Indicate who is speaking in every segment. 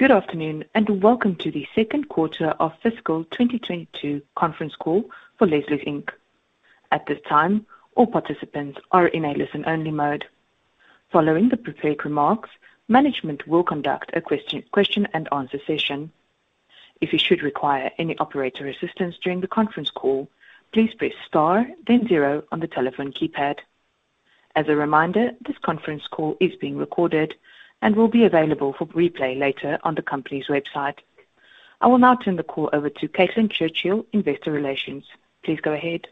Speaker 1: Good afternoon, and welcome to the second quarter of fiscal 2022 conference call for Leslie's, Inc. At this time, all participants are in a listen-only mode. Following the prepared remarks, management will conduct a Q&A session. If you should require any operator assistance during the conference call, please press star, then zero on the telephone keypad. As a reminder, this conference call is being recorded and will be available for replay later on the company's website. I will now turn the call over to Caitlin Churchill, Investor Relations. Please go ahead.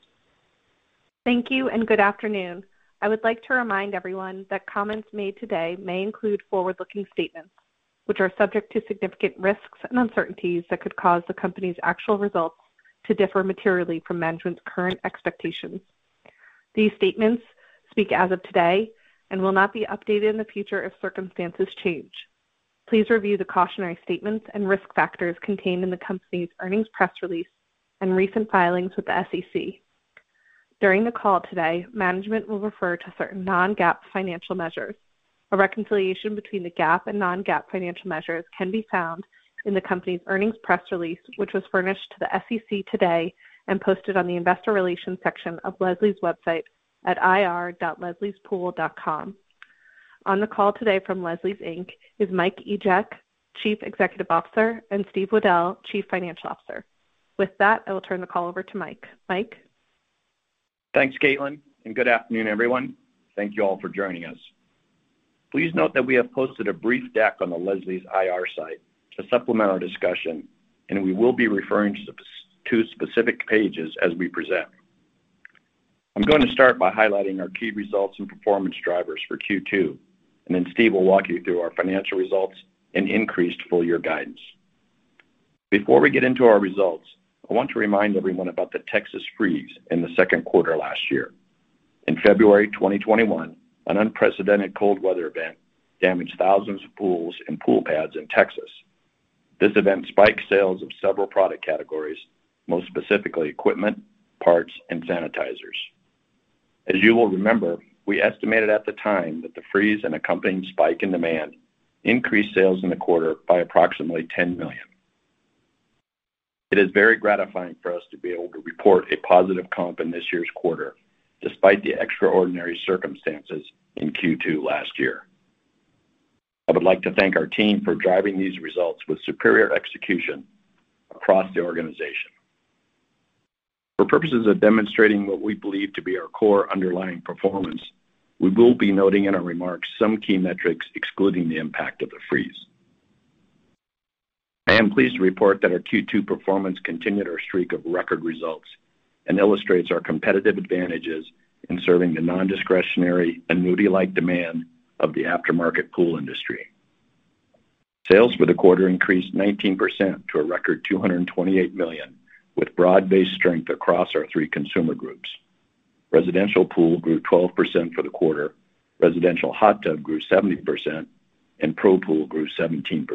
Speaker 2: Thank you and good afternoon. I would like to remind everyone that comments made today may include forward-looking statements, which are subject to significant risks and uncertainties that could cause the company's actual results to differ materially from management's current expectations. These statements speak as of today and will not be updated in the future if circumstances change. Please review the cautionary statements and risk factors contained in the company's earnings press release and recent filings with the SEC. During the call today, management will refer to certain non-GAAP financial measures. A reconciliation between the GAAP and non-GAAP financial measures can be found in the company's earnings press release, which was furnished to the SEC today and posted on the investor relations section of Leslie's website at ir.lesliespool.com. On the call today from Leslie's, Inc. is Mike Egeck, Chief Executive Officer, and Steve Weddell, Chief Financial Officer. With that, I will turn the call over to Mike. Mike?
Speaker 3: Thanks, Caitlin, and good afternoon, everyone. Thank you all for joining us. Please note that we have posted a brief deck on the Leslie's IR site to supplement our discussion, and we will be referring to specific pages as we present. I'm gonna start by highlighting our key results and performance drivers for Q2, and then Steve will walk you through our financial results and increased full-year guidance. Before we get into our results, I want to remind everyone about the Texas freeze in the Q2 last year. In February 2021, an unprecedented cold weather event damaged thousands of pools and pool pads in Texas. This event spiked sales of several product categories, most specifically equipment, parts, and sanitizers. As you will remember, we estimated at the time that the freeze and accompanying spike in demand increased sales in the quarter by approximately $10 million. It is very gratifying for us to be able to report a positive comp in this year's quarter despite the extraordinary circumstances in Q2 last year. I would like to thank our team for driving these results with superior execution across the organization. For purposes of demonstrating what we believe to be our core underlying performance, we will be noting in our remarks some key metrics excluding the impact of the freeze. I am pleased to report that our Q2 performance continued our streak of record results and illustrates our competitive advantages in serving the non-discretionary annuity-like demand of the aftermarket pool industry. Sales for the quarter increased 19% to a record $228 million, with broad-based strength across our three consumer groups. Residential pool grew 12% for the quarter, residential hot tub grew 70%, and Pro Pool grew 17%.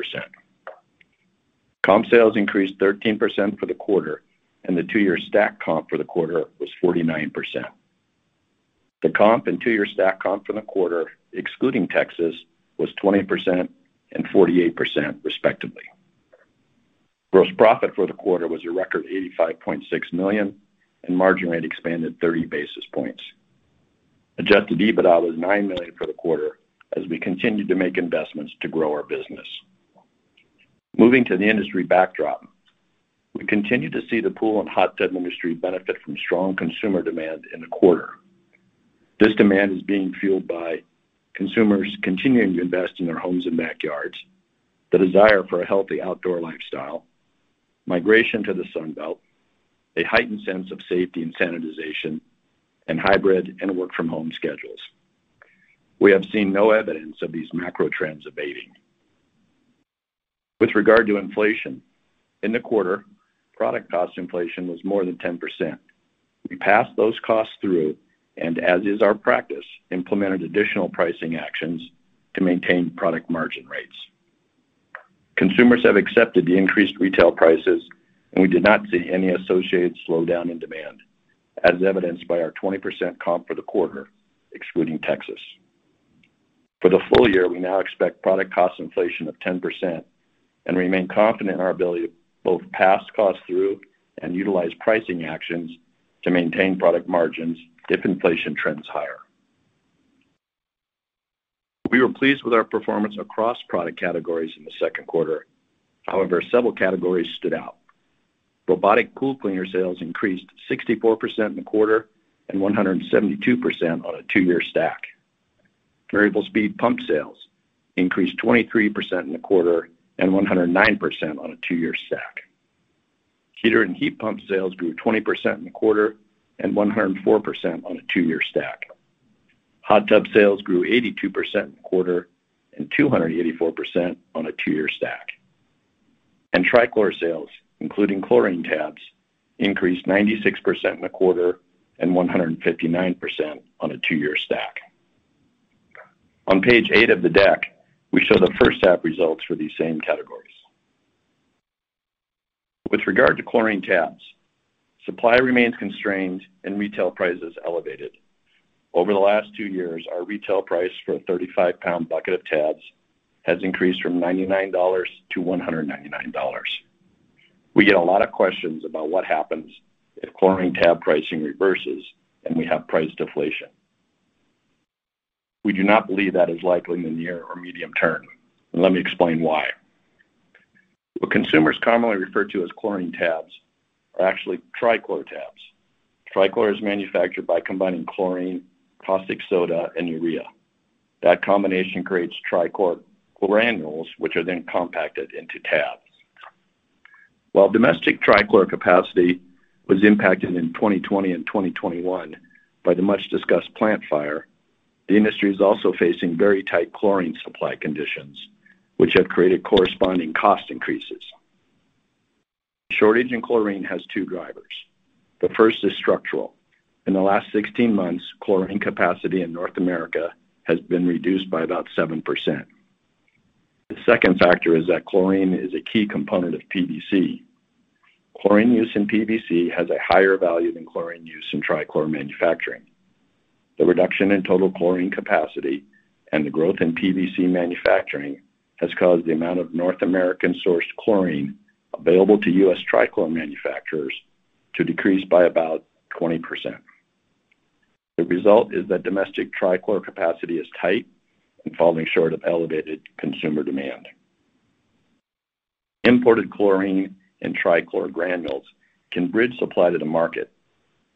Speaker 3: Comp sales increased 13% for the quarter, and the two-year stacked comp for the quarter was 49%. The comp and two-year stacked comp for the quarter, excluding Texas, was 20% and 48%, respectively. Gross profit for the quarter was a record $85.6 million, and margin rate expanded 30 basis points. Adjusted EBITDA was $9 million for the quarter as we continued to make investments to grow our business. Moving to the industry backdrop, we continue to see the pool and hot tub industry benefit from strong consumer demand in the quarter. This demand is being fueled by consumers continuing to invest in their homes and backyards, the desire for a healthy outdoor lifestyle, migration to the Sun Belt, a heightened sense of safety and sanitization, and hybrid and work-from-home schedules. We have seen no evidence of these macro trends abating. With regard to inflation, in the quarter, product cost inflation was more than 10%. We passed those costs through and, as is our practice, implemented additional pricing actions to maintain product margin rates. Consumers have accepted the increased retail prices, and we did not see any associated slowdown in demand, as evidenced by our 20% comp for the quarter, excluding Texas. For the full year, we now expect product cost inflation of 10% and remain confident in our ability to both pass costs through and utilize pricing actions to maintain product margins if inflation trends higher. We were pleased with our performance across product categories in the Q2. However, several categories stood out. Robotic pool cleaner sales increased 64% in the quarter and 172% on a two-year stack. Variable speed pump sales increased 23% in the quarter and 109% on a two-year stack. Heater and heat pump sales grew 20% in the quarter and 104% on a two-year stack. Hot tub sales grew 82% in the quarter and 284% on a two-year stack. Trichlor sales, including chlorine tabs, increased 96% in the quarter and 159% on a two-year stack. On page eight of the deck, we show the H1 results for these same categories. With regard to chlorine tabs, supply remains constrained and retail prices elevated. Over the last two years, our retail price for a 35 lbs bucket of tabs has increased from $99-$199. We get a lot of questions about what happens if chlorine tab pricing reverses and we have price deflation. We do not believe that is likely in the near or medium term. Let me explain why. What consumers commonly refer to as chlorine tabs are actually trichlor tabs. Trichlor is manufactured by combining chlorine, caustic soda and urea. That combination creates trichlor granules, which are then compacted into tabs. While domestic trichlor capacity was impacted in 2020 and 2021 by the much-discussed plant fire, the industry is also facing very tight chlorine supply conditions, which have created corresponding cost increases. The shortage in chlorine has two drivers. The first is structural. In the last 16 months, chlorine capacity in North America has been reduced by about 7%. The second factor is that chlorine is a key component of PVC. Chlorine use in PVC has a higher value than chlorine use in trichlor manufacturing. The reduction in total chlorine capacity and the growth in PVC manufacturing has caused the amount of North American sourced chlorine available to U.S. trichlor manufacturers to decrease by about 20%. The result is that domestic trichlor capacity is tight and falling short of elevated consumer demand. Imported chlorine and trichlor granules can bridge supply to the market.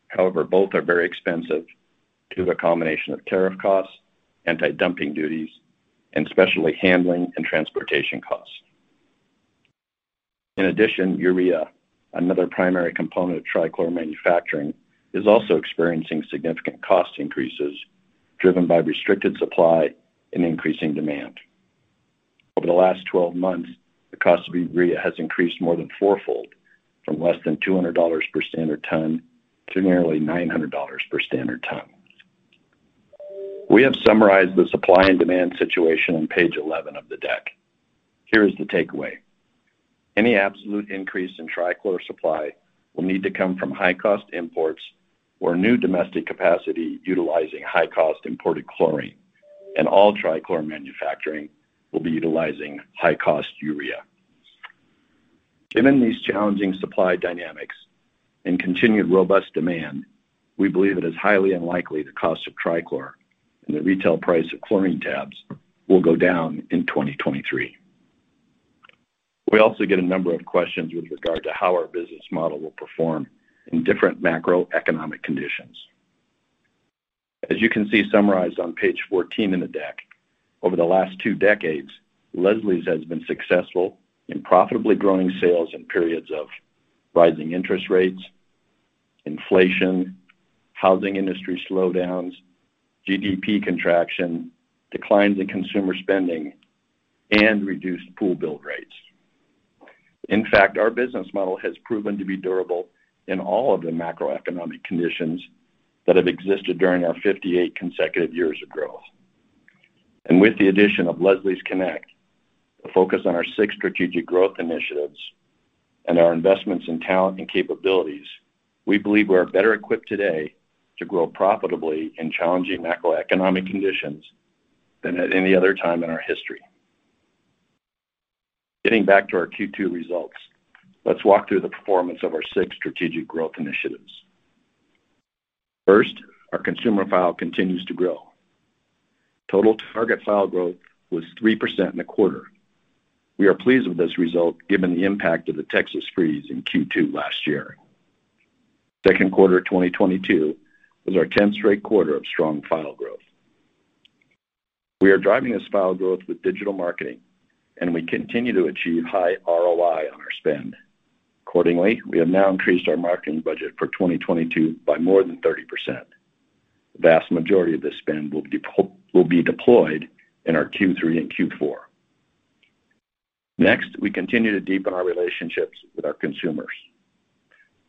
Speaker 3: However, both are very expensive due to a combination of tariff costs, anti-dumping duties, and especially handling and transportation costs. In addition, urea, another primary component of trichlor manufacturing, is also experiencing significant cost increases driven by restricted supply and increasing demand. Over the last 12 months, the cost of urea has increased more than four-fold, from less than $200 per standard ton to nearly $900 per standard ton. We have summarized the supply and demand situation on page 11 of the deck. Here is the takeaway. Any absolute increase in trichlor supply will need to come from high-cost imports or new domestic capacity utilizing high-cost imported chlorine, and all trichlor manufacturing will be utilizing high-cost urea. Given these challenging supply dynamics and continued robust demand, we believe it is highly unlikely the cost of trichlor and the retail price of chlorine tabs will go down in 2023. We also get a number of questions with regard to how our business model will perform in different macroeconomic conditions. As you can see summarized on page 14 in the deck, over the last two decades, Leslie's has been successful in profitably growing sales in periods of rising interest rates, inflation, housing industry slowdowns, GDP contraction, declines in consumer spending, and reduced pool build rates. In fact, our business model has proven to be durable in all of the macroeconomic conditions that have existed during our 58 consecutive years of growth. With the addition of Leslie's Connect, a focus on our six strategic growth initiatives and our investments in talent and capabilities, we believe we are better equipped today to grow profitably in challenging macroeconomic conditions than at any other time in our history. Getting back to our Q2 results, let's walk through the performance of our six strategic growth initiatives. First, our consumer file continues to grow. Total target file growth was 3% in the quarter. We are pleased with this result, given the impact of the Texas freeze in Q2 last year. Q2 2022 was our 10th straight quarter of strong file growth. We are driving this file growth with digital marketing, and we continue to achieve high ROI on our spend. Accordingly, we have now increased our marketing budget for 2022 by more than 30%. The vast majority of this spend will be deployed in our Q3 and Q4. Next, we continue to deepen our relationships with our consumers.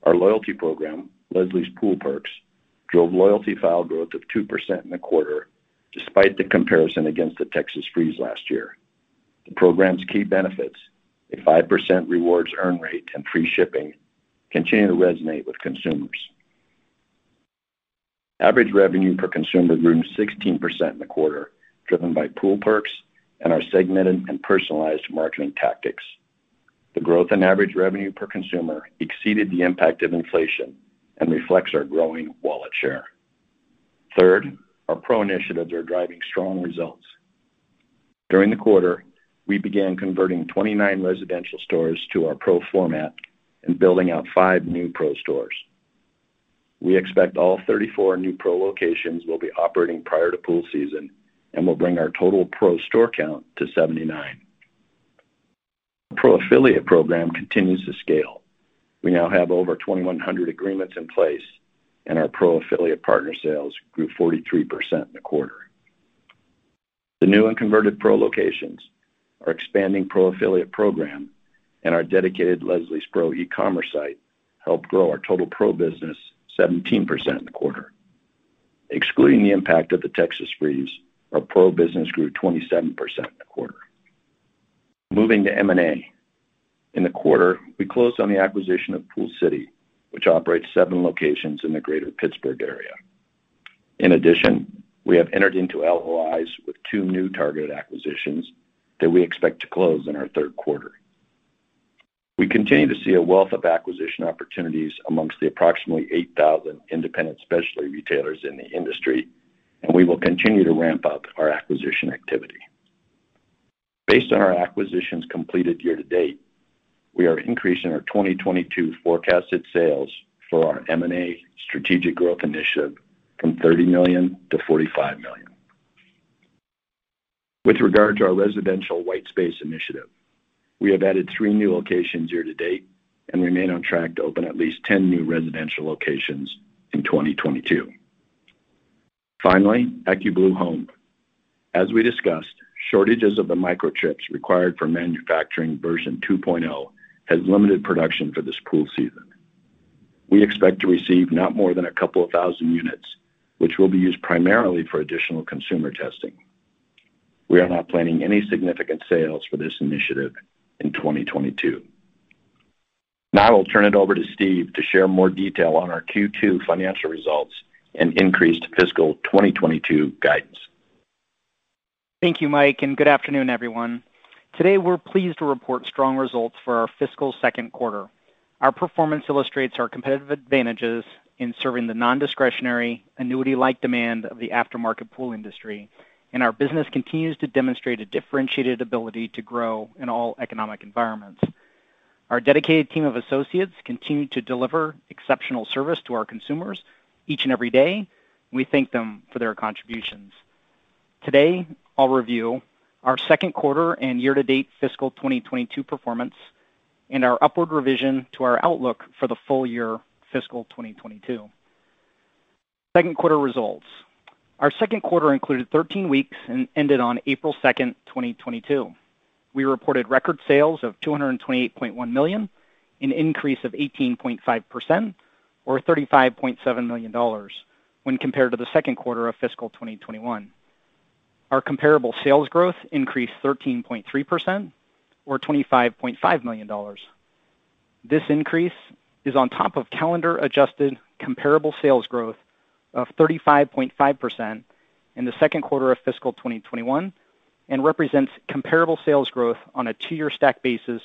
Speaker 3: Our loyalty program, Leslie's Pool Perks, drove loyalty file growth of 2% in the quarter, despite the comparison against the Texas freeze last year. The program's key benefits, a 5% rewards earn rate and free shipping, continue to resonate with consumers. Average revenue per consumer grew 16% in the quarter, driven by pool perks and our segmented and personalized marketing tactics. The growth in average revenue per consumer exceeded the impact of inflation and reflects our growing wallet share. Third, our Pro initiatives are driving strong results. During the quarter, we began converting 29 residential stores to our Pro format and building out five new Pro stores. We expect all 34 new Pro locations will be operating prior to pool season and will bring our total Pro store count to 79. Pro affiliate program continues to scale. We now have over 2,100 agreements in place, and our Pro affiliate partner sales grew 43% in the quarter. The new and converted Pro locations, our expanding Pro affiliate program, and our dedicated Leslie's Pro e-commerce site helped grow our total Pro business 17% in the quarter. Excluding the impact of the Texas freeze, our Pro business grew 27% in the quarter. Moving to M&A. In the quarter, we closed on the acquisition of Pool City, which operates seven locations in the Greater Pittsburgh area. In addition, we have entered into LOIs with two new targeted acquisitions that we expect to close in our Q3. We continue to see a wealth of acquisition opportunities amongst the approximately 8,000 independent specialty retailers in the industry, and we will continue to ramp up our acquisition activity. Based on our acquisitions completed year-to-date, we are increasing our 2022 forecasted sales for our M&A strategic growth initiative from $30 million-$45 million. With regard to our residential white space initiative, we have added three new locations year-to-date and remain on track to open at least 10 new residential locations in 2022. Finally, AccuBlue Home. As we discussed, shortages of the microchips required for manufacturing version 2.0 has limited production for this pool season. We expect to receive not more than 2,000 units, which will be used primarily for additional consumer testing. We are not planning any significant sales for this initiative in 2022. Now I will turn it over to Steve to share more detail on our Q2 financial results and increased fiscal 2022 guidance.
Speaker 4: Thank you, Mike, and good afternoon, everyone. Today, we're pleased to report strong results for our fiscal Q2. Our performance illustrates our competitive advantages in serving the non-discretionary annuity-like demand of the aftermarket pool industry, and our business continues to demonstrate a differentiated ability to grow in all economic environments. Our dedicated team of associates continue to deliver exceptional service to our consumers each and every day. We thank them for their contributions. Today, I'll review our Q2 and year-to-date fiscal 2022 performance and our upward revision to our outlook for the full year fiscal 2022. Q2 results. Our Q2 included 13 weeks and ended on April 2nd, 2022. We reported record sales of $228.1 million, an increase of 18.5% or $35.7 million when compared to the Q2 of fiscal 2021. Our comparable sales growth increased 13.3% or $25.5 million. This increase is on top of calendar-adjusted comparable sales growth of 35.5% in the Q2 of fiscal 2021 and represents comparable sales growth on a two-year stack basis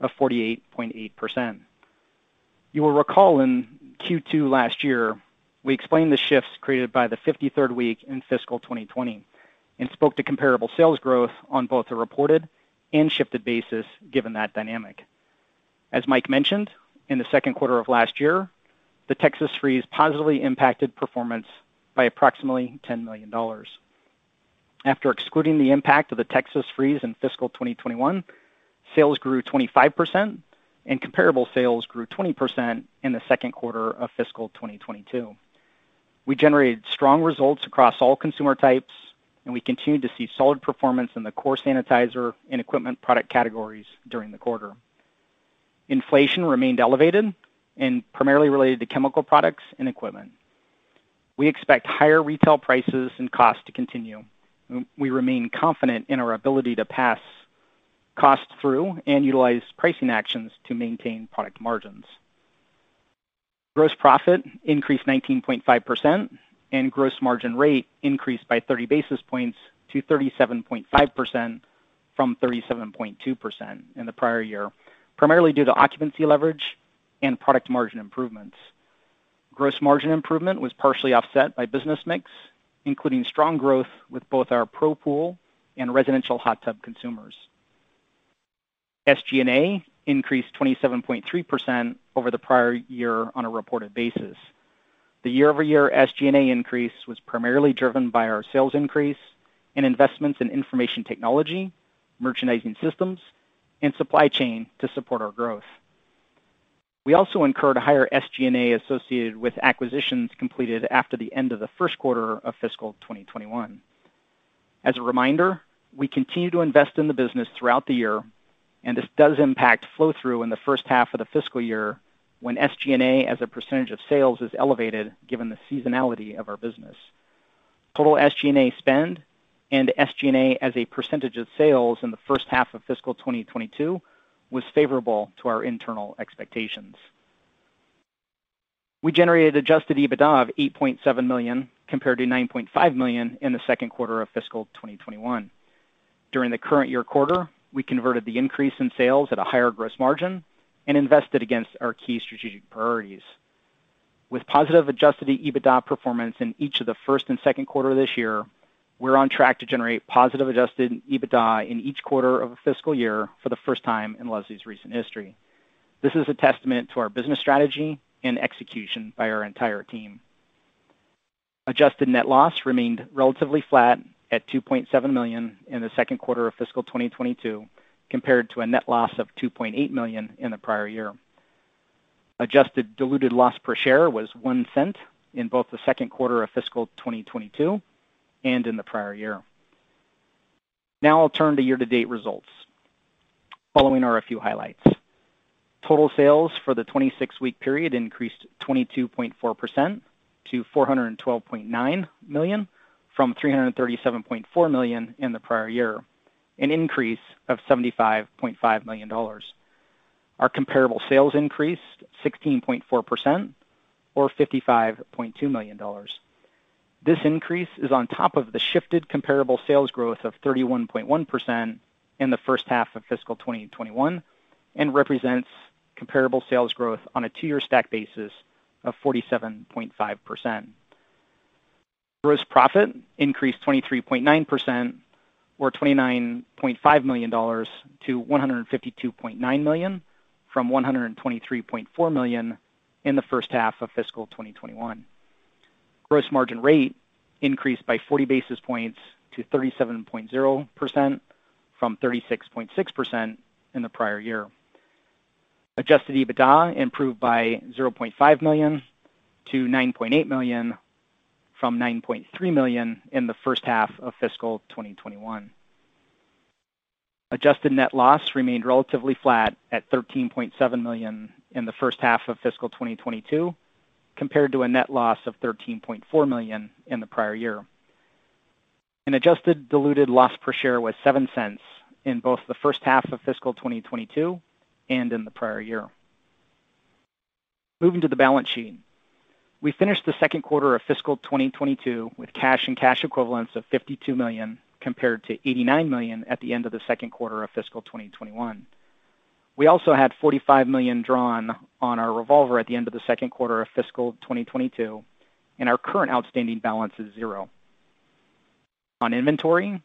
Speaker 4: of 48.8%. You will recall in Q2 last year, we explained the shifts created by the 53rd week in fiscal 2020 and spoke to comparable sales growth on both a reported and shifted basis given that dynamic. As Mike mentioned, in the Q2 of last year, the Texas freeze positively impacted performance by approximately $10 million. After excluding the impact of the Texas freeze in fiscal 2021, sales grew 25%, and comparable sales grew 20% in the Q2 of fiscal 2022. We generated strong results across all consumer types, and we continued to see solid performance in the core sanitizer and equipment product categories during the quarter. Inflation remained elevated and primarily related to chemical products and equipment. We expect higher retail prices and costs to continue. We remain confident in our ability to pass costs through and utilize pricing actions to maintain product margins. Gross profit increased 19.5%, and gross margin rate increased by 30 basis points to 37.5% from 37.2% in the prior year, primarily due to occupancy leverage and product margin improvements. Gross margin improvement was partially offset by business mix, including strong growth with both our Pro Pool and residential hot tub consumers. SG&A increased 27.3% over the prior year on a reported basis. The year-over-year SG&A increase was primarily driven by our sales increase and investments in information technology, merchandising systems, and supply chain to support our growth. We also incurred a higher SG&A associated with acquisitions completed after the end of the Q1 of fiscal 2021. As a reminder, we continue to invest in the business throughout the year, and this does impact flow-through in the H1 of the fiscal year when SG&A as a percentage of sales is elevated given the seasonality of our business. Total SG&A spend and SG&A as a percentage of sales in the H1 of fiscal 2022 was favorable to our internal expectations. We generated adjusted EBITDA of $8.7 million compared to $9.5 million in the Q2 of fiscal 2021. During the current year quarter, we converted the increase in sales at a higher gross margin and invested against our key strategic priorities. With positive adjusted EBITDA performance in each of the Q1 and Q2 this year, we're on track to generate positive adjusted EBITDA in each quarter of a fiscal year for the first time in Leslie's recent history. This is a testament to our business strategy and execution by our entire team. Adjusted net loss remained relatively flat at $2.7 million in the Q2 of fiscal 2022 compared to a net loss of $2.8 million in the prior year. Adjusted diluted loss per share was $0.01 in both the Q2 of fiscal 2022 and in the prior year. Now I'll turn to year-to-date results. Following are a few highlights. Total sales for the 26-week period increased 22.4% to $412.9 million from $337.4 million in the prior year, an increase of $75.5 million. Our comparable sales increased 16.4% or $55.2 million. This increase is on top of the shifted comparable sales growth of 31.1% in the H1 of fiscal 2021 and represents comparable sales growth on a two-year stack basis of 47.5%. Gross profit increased 23.9% or $29.5 million-$152.9 million from $123.4 million in the H1 of fiscal 2021. Gross margin rate increased by 40 basis points to 37.0% from 36.6% in the prior year. Adjusted EBITDA improved by $0.5 million-$9.8 million from $9.3 million in the H1 of fiscal 2021. Adjusted net loss remained relatively flat at $13.7 million in the H1 of fiscal 2022, compared to a net loss of $13.4 million in the prior year. An adjusted diluted loss per share was $0.07 in both the H1 of fiscal 2022 and in the prior year. Moving to the balance sheet. We finished the Q2 of fiscal 2022 with cash and cash equivalents of $52 million, compared to $89 million at the end of the Q2 of fiscal 2021. We also had $45 million drawn on our revolver at the end of the Q2 of fiscal 2022, and our current outstanding balance is 0. On inventory,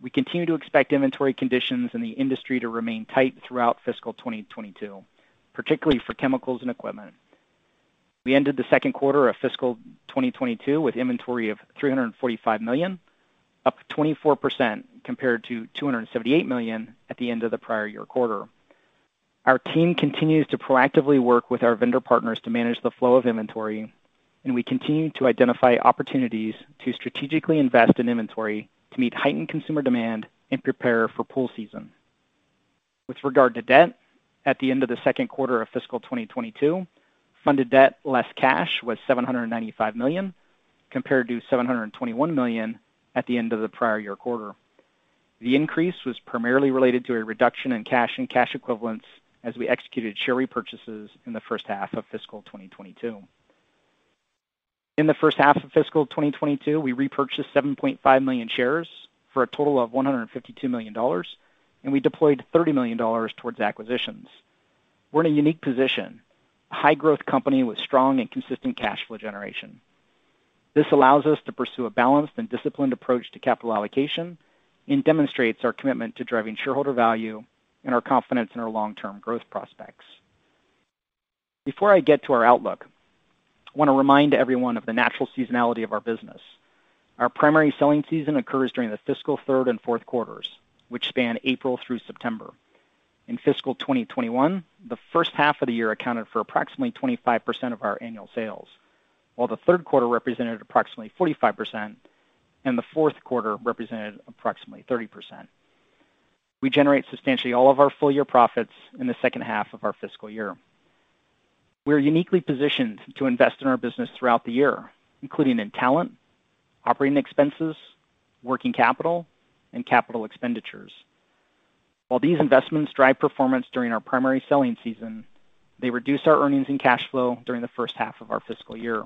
Speaker 4: we continue to expect inventory conditions in the industry to remain tight throughout fiscal 2022, particularly for chemicals and equipment. We ended the Q2 of fiscal 2022 with inventory of $345 million, up 24% compared to $278 million at the end of the prior year quarter. Our team continues to proactively work with our vendor partners to manage the flow of inventory, and we continue to identify opportunities to strategically invest in inventory to meet heightened consumer demand and prepare for pool season. With regard to debt, at the end of the Q2 of fiscal 2022, funded debt less cash was $795 million, compared to $721 million at the end of the prior year quarter. The increase was primarily related to a reduction in cash and cash equivalents as we executed share repurchases in the H1 of fiscal 2022. In the H1 of fiscal 2022, we repurchased 7.5 million shares for a total of $152 million, and we deployed $30 million towards acquisitions. We're in a unique position, a high-growth company with strong and consistent cash flow generation. This allows us to pursue a balanced and disciplined approach to capital allocation and demonstrates our commitment to driving shareholder value and our confidence in our long-term growth prospects. Before I get to our outlook, I want to remind everyone of the natural seasonality of our business. Our primary selling season occurs during the fiscal Q3 and Q4, which span April through September. In fiscal 2021, the H1 of the year accounted for approximately 25% of our annual sales, while the Q3 represented approximately 45% and the Q4 represented approximately 30%. We generate substantially all of our full-year profits in the H2 of our fiscal year. We are uniquely positioned to invest in our business throughout the year, including in talent, operating expenses, working capital, and capital expenditures. While these investments drive performance during our primary selling season, they reduce our earnings and cash flow during the H1 of our fiscal year.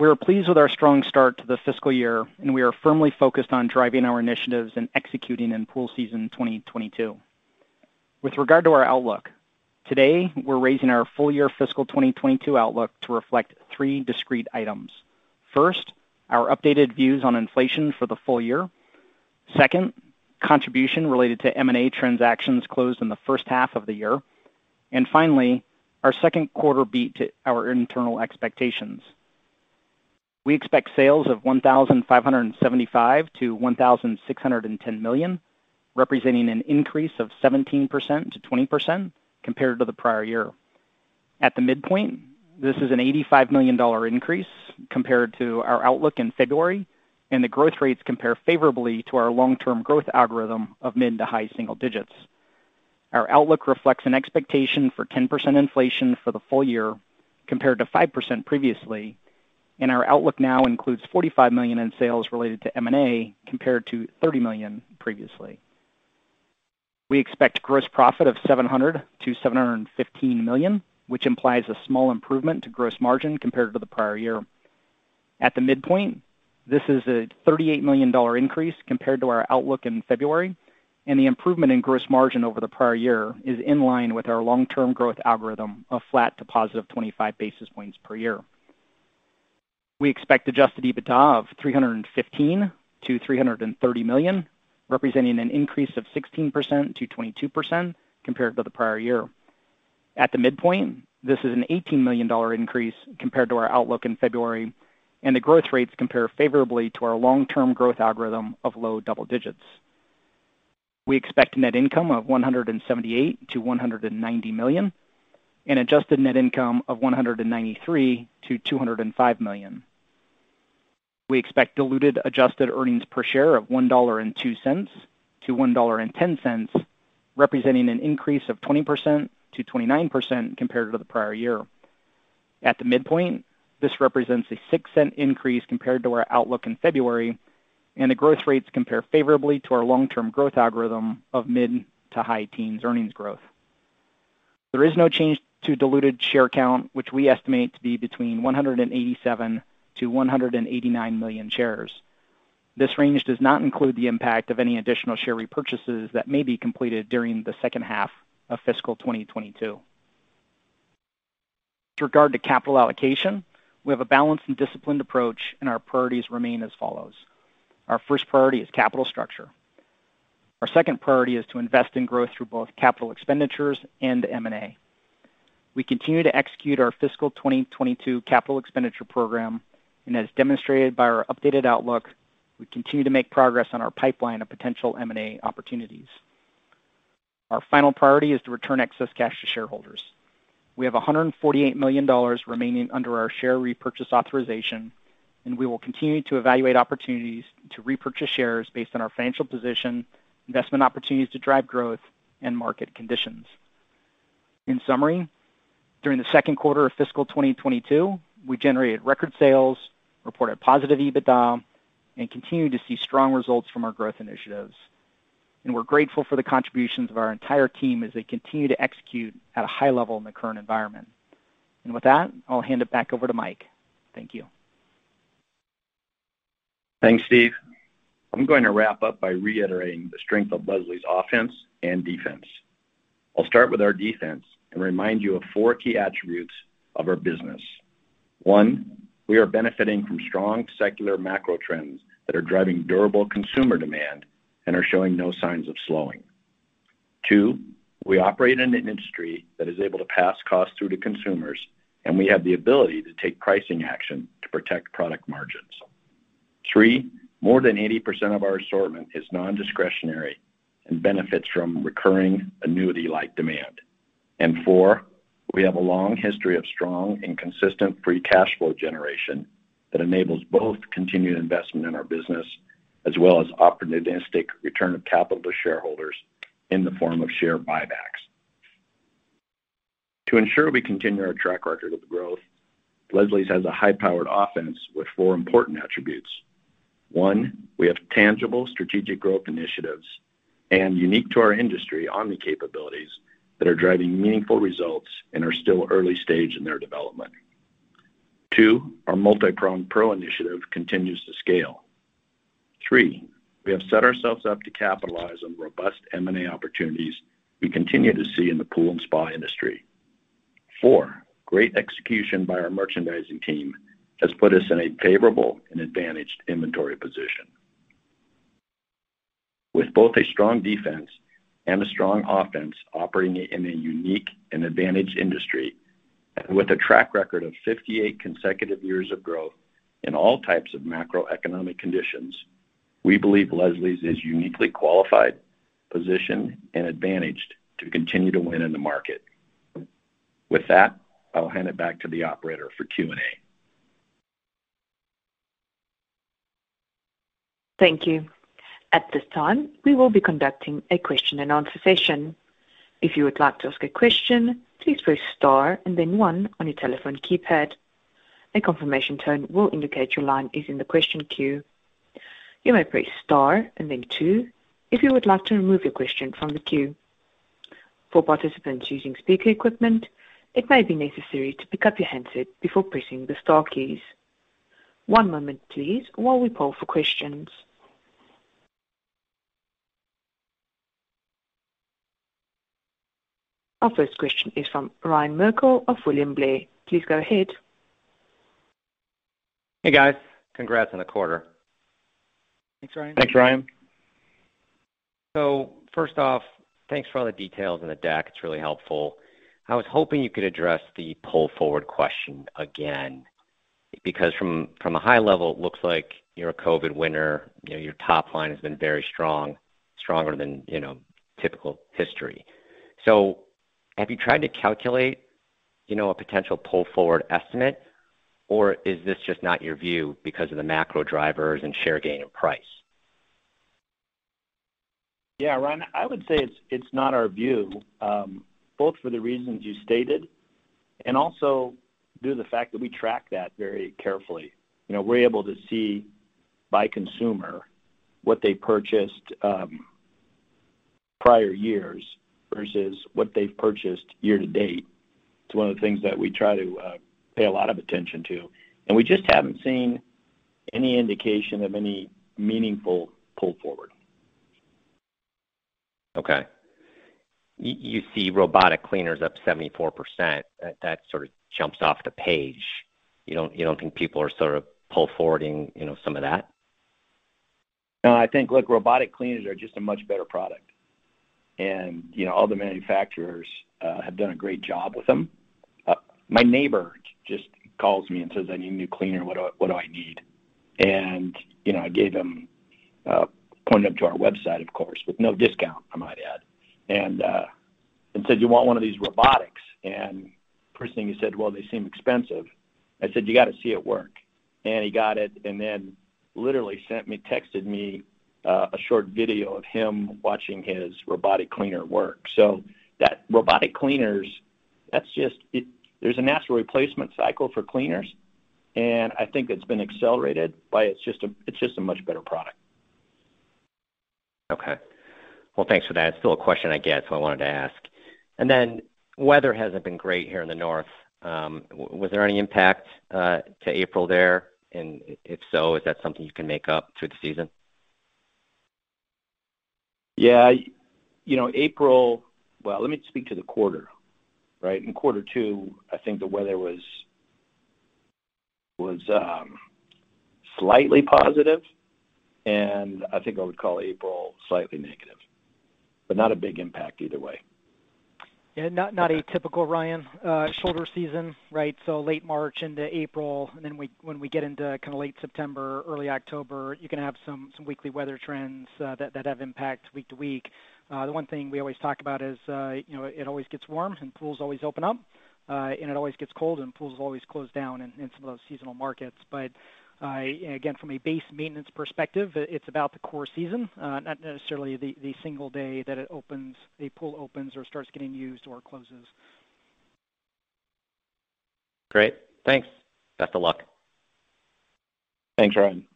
Speaker 4: We are pleased with our strong start to the fiscal year, and we are firmly focused on driving our initiatives and executing in pool season 2022. With regard to our outlook, today, we're raising our full-year fiscal 2022 outlook to reflect three discrete items. First, our updated views on inflation for the full year. Second, contribution related to M&A transactions closed in the H1 of the year. Finally, our Q2 beat to our internal expectations. We expect sales of $1,575 million-$1,610 million, representing an increase of 17%-20% compared to the prior year. At the midpoint, this is an $85 million increase compared to our outlook in February, and the growth rates compare favorably to our long-term growth algorithm of mid to high single digits. Our outlook reflects an expectation for 10% inflation for the full year compared to 5% previously, and our outlook now includes $45 million in sales related to M&A, compared to $30 million previously. We expect gross profit of $700 million-$715 million, which implies a small improvement to gross margin compared to the prior year. At the midpoint, this is a $38 million increase compared to our outlook in February, and the improvement in gross margin over the prior year is in line with our long-term growth algorithm of flat to positive 25 basis points per year. We expect adjusted EBITDA of $315 million-$330 million, representing an increase of 16%-22% compared to the prior year. At the midpoint, this is an $18 million increase compared to our outlook in February, and the growth rates compare favorably to our long-term growth algorithm of low double digits. We expect net income of $178 million-$190 million, and adjusted net income of $193 million-$205 million. We expect diluted adjusted earnings per share of $1.02-$1.10, representing an increase of 20%-29% compared to the prior year. At the midpoint, this represents a $0.06 increase compared to our outlook in February, and the growth rates compare favorably to our long-term growth algorithm of mid to high teens earnings growth. There is no change to diluted share count, which we estimate to be between 187 million-189 million shares. This range does not include the impact of any additional share repurchases that may be completed during the H2 of fiscal 2022. With regard to capital allocation, we have a balanced and disciplined approach, and our priorities remain as follows. Our first priority is capital structure. Our second priority is to invest in growth through both capital expenditures and M&A. We continue to execute our fiscal 2022 capital expenditure program, and as demonstrated by our updated outlook, we continue to make progress on our pipeline of potential M&A opportunities. Our final priority is to return excess cash to shareholders. We have $148 million remaining under our share repurchase authorization, and we will continue to evaluate opportunities to repurchase shares based on our financial position, investment opportunities to drive growth, and market conditions. In summary, during the Q2 of fiscal 2022, we generated record sales, reported positive EBITDA, and continue to see strong results from our growth initiatives. We're grateful for the contributions of our entire team as they continue to execute at a high level in the current environment. With that, I'll hand it back over to Mike. Thank you.
Speaker 3: Thanks, Steve. I'm going to wrap up by reiterating the strength of Leslie's offense and defense. I'll start with our defense and remind you of four key attributes of our business. One, we are benefiting from strong secular macro trends that are driving durable consumer demand and are showing no signs of slowing. Two, we operate in an industry that is able to pass costs through to consumers, and we have the ability to take pricing action to protect product margins. Three, more than 80% of our assortment is nondiscretionary and benefits from recurring annuity-like demand. And four, we have a long history of strong and consistent free cash flow generation that enables both continued investment in our business as well as opportunistic return of capital to shareholders in the form of share buybacks. To ensure we continue our track record of growth, Leslie's has a high-powered offense with four important attributes. One, we have tangible strategic growth initiatives and unique to our industry omni capabilities that are driving meaningful results and are still early stage in their development. Two, our multipronged PRO initiative continues to scale. Three, we have set ourselves up to capitalize on robust M&A opportunities we continue to see in the pool and spa industry. Four, great execution by our merchandising team has put us in a favorable and advantaged inventory position. With both a strong defense and a strong offense operating in a unique and advantaged industry, and with a track record of 58 consecutive years of growth in all types of macroeconomic conditions, we believe Leslie's is uniquely qualified, positioned, and advantaged to continue to win in the market. With that, I'll hand it back to the operator for Q&A.
Speaker 1: Thank you. At this time, we will be conducting a Q&A session. If you would like to ask a question, please press star and then one on your telephone keypad. A confirmation tone will indicate your line is in the question queue. You may press star and then two if you would like to remove your question from the queue. For participants using speaker equipment, it may be necessary to pick up your handset before pressing the star keys. One moment, please, while we poll for questions. Our first question is from Ryan Merkel of William Blair. Please go ahead.
Speaker 5: Hey, guys. Congrats on the quarter.
Speaker 3: Thanks, Ryan.
Speaker 4: Thanks, Ryan.
Speaker 5: First off, thanks for all the details in the deck. It's really helpful. I was hoping you could address the pull forward question again, because from a high level, it looks like you're a COVID winner. You know, your top line has been very strong, stronger than, you know, typical history. Have you tried to calculate, you know, a potential pull forward estimate, or is this just not your view because of the macro drivers and share gain in price?
Speaker 3: Yeah, Ryan, I would say it's not our view, both for the reasons you stated and also due to the fact that we track that very carefully. You know, we're able to see by consumer what they purchased, prior years versus what they've purchased year-to-date. It's one of the things that we try to pay a lot of attention to, and we just haven't seen any indication of any meaningful pull forward.
Speaker 5: Okay. You see robotic cleaners up 74%. That sort of jumps off the page. You don't think people are sort of pulling forward, you know, some of that?
Speaker 3: No, I think, look, robotic cleaners are just a much better product. You know, all the manufacturers have done a great job with them. My neighbor just calls me and says, "I need a new cleaner. What do I need?" You know, I pointed him to our website, of course, with no discount I might add, and said, "You want one of these robotics." First thing he said, "Well, they seem expensive." I said, "You got to see it work." He got it and then literally sent me, texted me a short video of him watching his robotic cleaner work. That robotic cleaners, that's just it. There's a natural replacement cycle for cleaners, and I think it's been accelerated by it's just a much better product.
Speaker 5: Okay. Well, thanks for that. It's still a question I get, so I wanted to ask. Weather hasn't been great here in the North. Was there any impact to April there? If so, is that something you can make up through the season?
Speaker 3: Yeah. You know, April. Well, let me speak to the quarter, right? In Q2, I think the weather was slightly positive, and I think I would call April slightly negative, but not a big impact either way.
Speaker 4: Yeah. Not a typical Ryan shoulder season, right? Late March into April, and then when we get into kind of late September, early October, you can have some weekly weather trends that have impact week-to-week. The one thing we always talk about is, you know, it always gets warm and pools always open up, and it always gets cold and pools always close down in some of those seasonal markets. Again, from a base maintenance perspective, it's about the core season, not necessarily the single day that a pool opens or starts getting used or closes.
Speaker 5: Great. Thanks. Best of luck.
Speaker 3: Thanks, Ryan.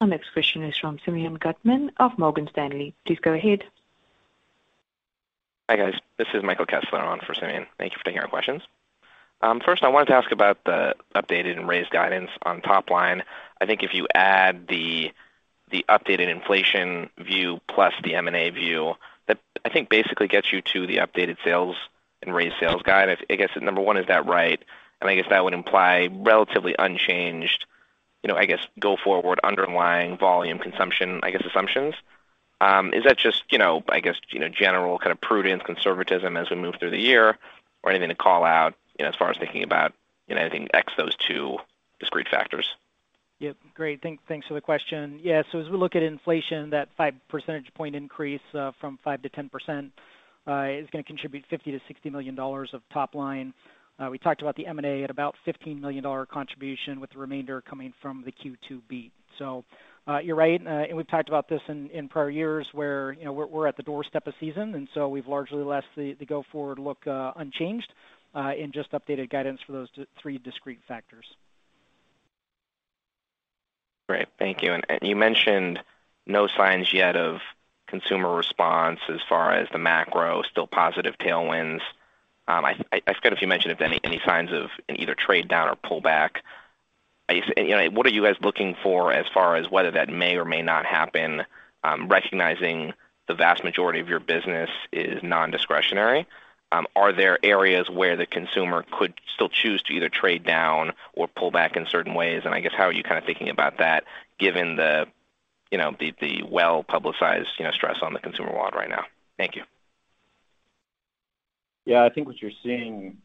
Speaker 1: Our next question is from Simeon Gutman of Morgan Stanley. Please go ahead.
Speaker 6: Hi, guys. This is Michael Kessler on for Simeon. Thank you for taking our questions. First, I wanted to ask about the updated and raised guidance on top line. I think if you add the updated inflation view plus the M&A view, that I think basically gets you to the updated sales and raised sales guide. I guess number one, is that right? And I guess that would imply relatively unchanged, you know, I guess, go forward underlying volume consumption, I guess, assumptions. Is that just, you know, I guess, you know, general kind of prudence conservatism as we move through the year or anything to call out, you know, as far as thinking about, you know, anything ex those two discrete factors?
Speaker 4: Yep. Great. Thanks for the question. Yeah. As we look at inflation, that 5 percentage point increase from 5%-10% is gonna contribute $50-$60 million of top line. We talked about the M&A at about $15 million contribution, with the remainder coming from the Q2 beat. You're right, and we've talked about this in prior years where, you know, we're at the doorstep of season, and so we've largely left the go forward look unchanged, and just updated guidance for those three discrete factors.
Speaker 6: Great. Thank you. You mentioned no signs yet of consumer response as far as the macro, still positive tailwinds. I forget if you mentioned if any signs of an either trade down or pull back. I guess, you know, what are you guys looking for as far as whether that may or may not happen, recognizing the vast majority of your business is nondiscretionary? Are there areas where the consumer could still choose to either trade down or pull back in certain ways? I guess how are you kind of thinking about that given the, you know, the well-publicized, you know, stress on the consumer wallet right now? Thank you.
Speaker 3: Yeah. I think what you're seeing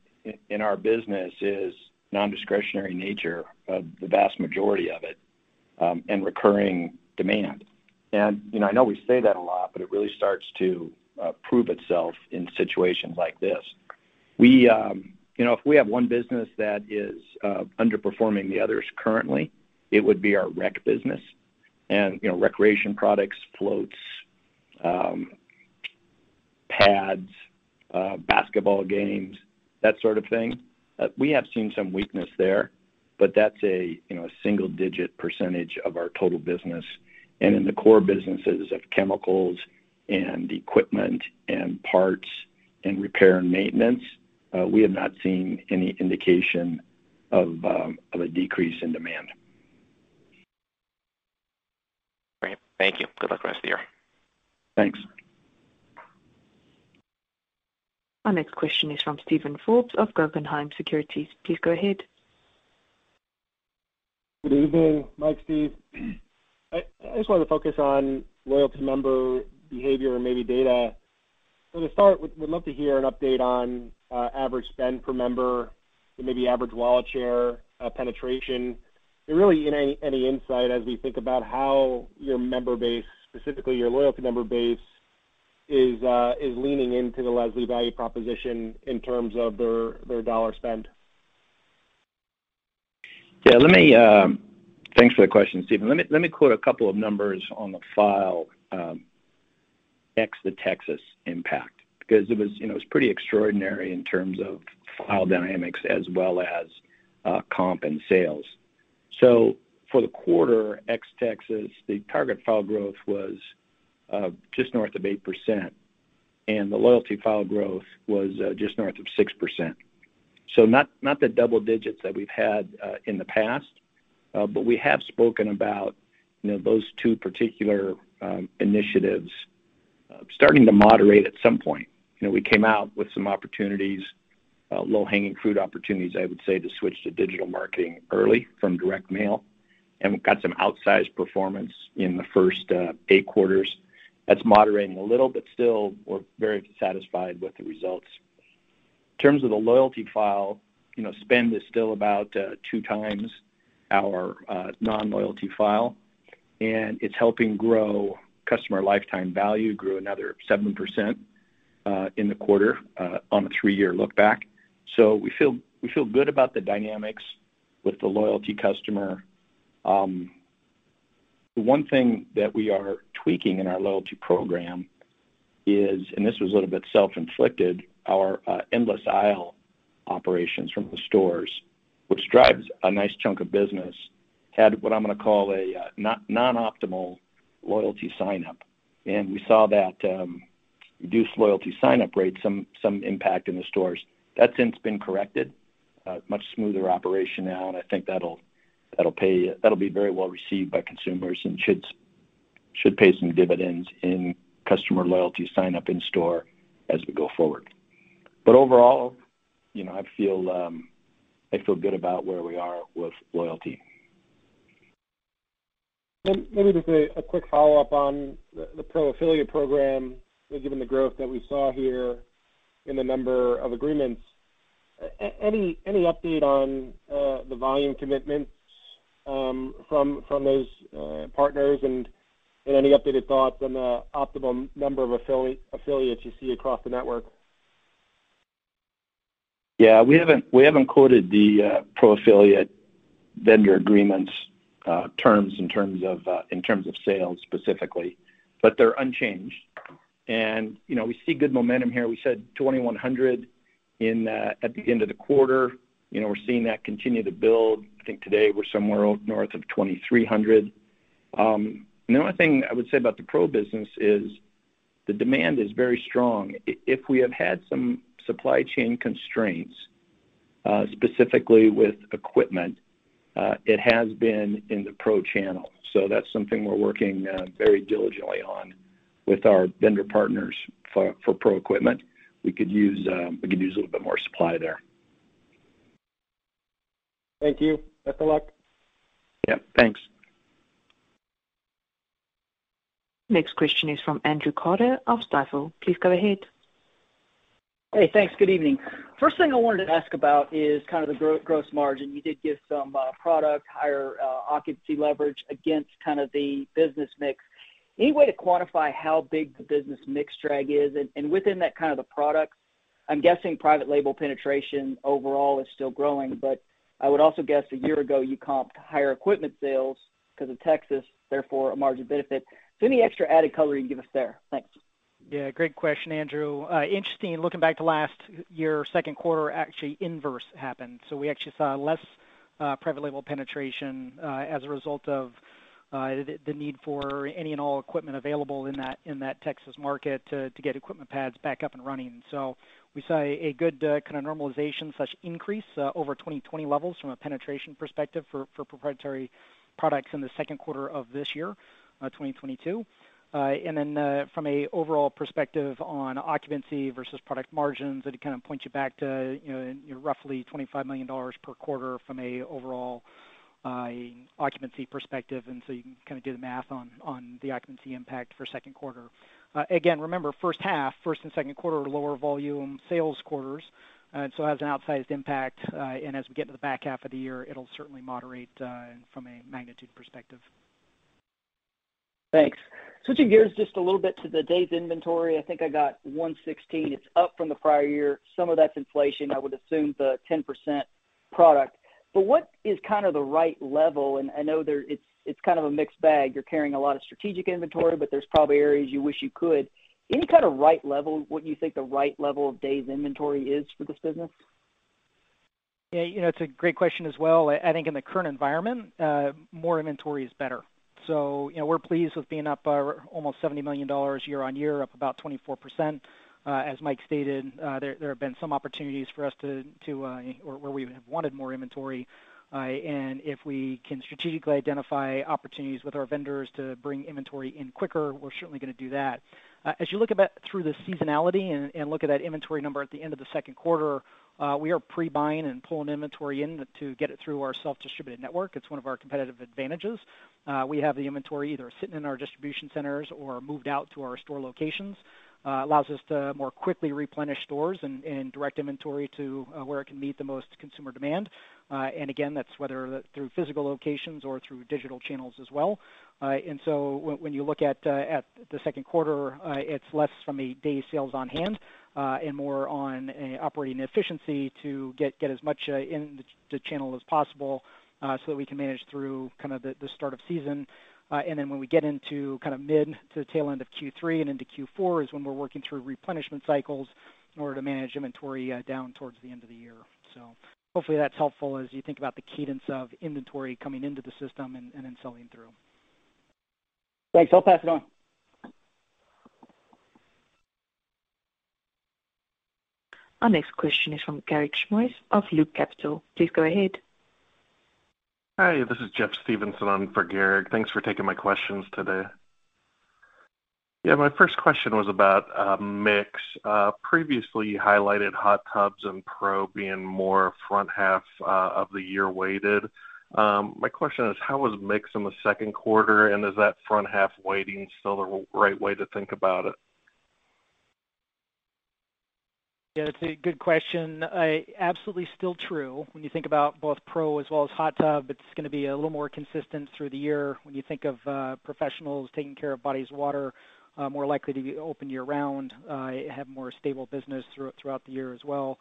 Speaker 3: in our business is nondiscretionary nature of the vast majority of it, and recurring demand. You know, I know we say that a lot, but it really starts to prove itself in situations like this. You know, if we have one business that is underperforming the others currently, it would be our recreation business and, you know, recreation products, floats, pads, basketball games, that sort of thing. We have seen some weakness there, but that's, you know, a single digit percentage of our total business. In the core businesses of chemicals and equipment and parts and repair and maintenance, we have not seen any indication of a decrease in demand.
Speaker 6: Great. Thank you. Good luck the rest of the year.
Speaker 3: Thanks.
Speaker 1: Our next question is from Steven Forbes of Guggenheim Securities. Please go ahead.
Speaker 7: Good evening, Mike, Steve. I just wanted to focus on loyalty member behavior or maybe data. To start with, we'd love to hear an update on average spend per member and maybe average wallet share, penetration, and really any insight as we think about how your member base, specifically your loyalty member base is leaning into the Leslie's value proposition in terms of their dollar spend?
Speaker 3: Yeah, let me. Thanks for the question, Steven. Let me quote a couple of numbers on the file, Ex the Texas impact, because it was, you know, it was pretty extraordinary in terms of file dynamics as well as comp and sales. For the quarter, Ex the Texas, the target file growth was just north of 8%, and the loyalty file growth was just north of 6%. Not the double digits that we've had in the past, but we have spoken about, you know, those two particular initiatives. Starting to moderate at some point.
Speaker 8: You know, we came out with some opportunities, low-hanging fruit opportunities, I would say, to switch to digital marketing early from direct mail, and we got some outsized performance in the first eight quarters. That's moderating a little, but still we're very satisfied with the results. In terms of the loyalty file, you know, spend is still about 2x our non-loyalty file, and it's helping grow customer lifetime value, grew another 7% in the quarter on a three-year look back. We feel good about the dynamics with the loyalty customer.
Speaker 3: The one thing that we are tweaking in our loyalty program is, and this was a little bit self-inflicted, our endless aisle operations from the stores, which drives a nice chunk of business, had what I'm gonna call a non-optimal loyalty sign-up. We saw that reduced loyalty sign-up rate, some impact in the stores. That's since been corrected. Much smoother operation now, and I think that'll be very well received by consumers and should pay some dividends in customer loyalty sign-up in store as we go forward. Overall, you know, I feel good about where we are with loyalty.
Speaker 7: Maybe just a quick follow-up on the Pro affiliate program, given the growth that we saw here in the number of agreements. Any update on the volume commitments from those partners and any updated thoughts on the optimum number of affiliates you see across the network?
Speaker 3: Yeah, we haven't quoted the Pro affiliate vendor agreements terms in terms of sales specifically, but they're unchanged. You know, we see good momentum here. We said 2,100 at the end of the quarter. You know, we're seeing that continue to build. I think today we're somewhere out north of 2,300. The only thing I would say about the Pro business is the demand is very strong. If we have had some supply chain constraints specifically with equipment, it has been in the Pro channel. So that's something we're working very diligently on with our vendor partners for Pro equipment. We could use a little bit more supply there.
Speaker 7: Thank you. Best of luck.
Speaker 3: Yeah, thanks.
Speaker 1: Next question is from Andrew Carter of Stifel. Please go ahead.
Speaker 9: Hey, thanks. Good evening. First thing I wanted to ask about is kind of the gross margin. You did give some product mix, higher occupancy leverage against kind of the business mix. Any way to quantify how big the business mix drag is? And within that kind of the products, I'm guessing private label penetration overall is still growing, but I would also guess a year ago, you comped higher equipment sales because of Texas, therefore, a margin benefit. Any extra added color you can give us there? Thanks.
Speaker 4: Yeah, great question, Andrew Carter. Interesting, looking back to last year, Q2, actually inverse happened. We actually saw less private label penetration as a result of the need for any and all equipment available in that Texas market to get equipment pads back up and running. We saw a good kinda normalization such increase over 2020 levels from a penetration perspective for proprietary products in the Q2 of this year, 2022. Then from an overall perspective on occupancy versus product margins, it kind of points you back to, you know, roughly $25 million per quarter from an overall occupancy perspective. You can kinda do the math on the occupancy impact for Q2. Again, remember, H1, Q1 and Q2 are lower volume sales quarters, so it has an outsized impact. As we get into the back half of the year, it'll certainly moderate, from a magnitude perspective.
Speaker 9: Thanks. Switching gears just a little bit to the days' inventory. I think I got 116. It's up from the prior year. Some of that's inflation, I would assume the 10% product. What is kind of the right level? I know it's kind of a mixed bag. You're carrying a lot of strategic inventory, but there's probably areas you wish you could. Any kind of right level, what you think the right level of days' inventory is for this business?
Speaker 4: Yeah, you know, it's a great question as well. I think in the current environment, more inventory is better. You know, we're pleased with being up almost $70 million year-on-year, up about 24%. As Mike stated, there have been some opportunities for us to or where we have wanted more inventory. If we can strategically identify opportunities with our vendors to bring inventory in quicker, we're certainly gonna do that. As you look throughout the seasonality and look at that inventory number at the end of the Q2, we are pre-buying and pulling inventory in to get it through our self-distributed network. It's one of our competitive advantages. We have the inventory either sitting in our distribution centers or moved out to our store locations. Allows us to more quickly replenish stores and direct inventory to where it can meet the most consumer demand. Again, that's whether through physical locations or through digital channels as well. When you look at the Q2, it's less from a days sales on hand and more on operating efficiency to get as much in the channel as possible, so that we can manage through kind of the start of season. When we get into kind of mid to tail end of Q3 and into Q4 is when we're working through replenishment cycles in order to manage inventory down towards the end of the year. Hopefully that's helpful as you think about the cadence of inventory coming into the system and then selling through.
Speaker 9: Thanks. I'll pass it on.
Speaker 1: Our next question is from Garik Shmois of Loop Capital. Please go ahead.
Speaker 10: Hi, this is Jeff Stevenson on for Garik Shmois. Thanks for taking my questions today. Yeah. My first question was about mix. Previously highlighted hot tubs and pro being more front half of the year weighted. My question is how was mix in the Q2, and is that front half weighting still the right way to think about it?
Speaker 4: Yeah, it's a good question. Absolutely still true. When you think about both Pro as well as hot tub, it's gonna be a little more consistent through the year. When you think of professionals taking care of bodies of water, more likely to be open year-round, have more stable business throughout the year as well.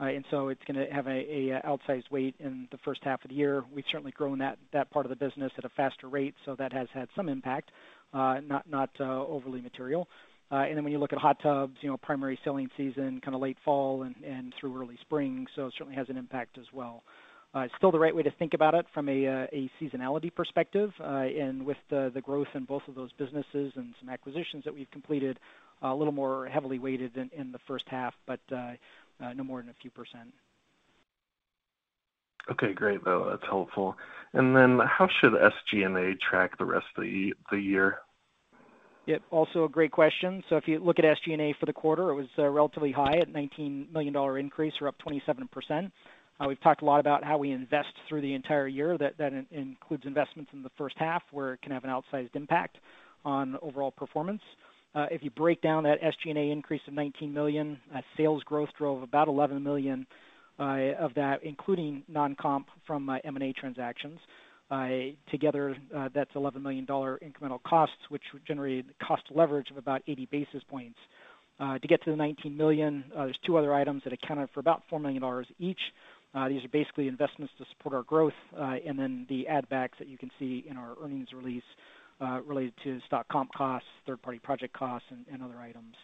Speaker 4: It's gonna have an outsized weight in the H1 of the year. We've certainly grown that part of the business at a faster rate, so that has had some impact, not overly material. When you look at hot tubs, you know, primary selling season, kinda late fall and through early spring, so it certainly has an impact as well. It's still the right way to think about it from a seasonality perspective, and with the growth in both of those businesses and some acquisitions that we've completed, a little more heavily weighted in the H1, but no more than a few percent.
Speaker 10: Okay, great, though. That's helpful. Then how should SG&A track the rest of the year?
Speaker 4: Yep, also a great question. If you look at SG&A for the quarter, it was relatively high at $19 million increase or up 27%. We've talked a lot about how we invest through the entire year that includes investments in the H1, where it can have an outsized impact on overall performance. If you break down that SG&A increase of $19 million, sales growth drove about $11 million of that, including non-comp from M&A transactions. Together, that's $11 million incremental costs, which would generate cost leverage of about 80 basis points. To get to the $19 million, there's two other items that accounted for about $4 million each. These are basically investments to support our growth, and then the add backs that you can see in our earnings release, related to stock comp costs, third-party project costs, and other items.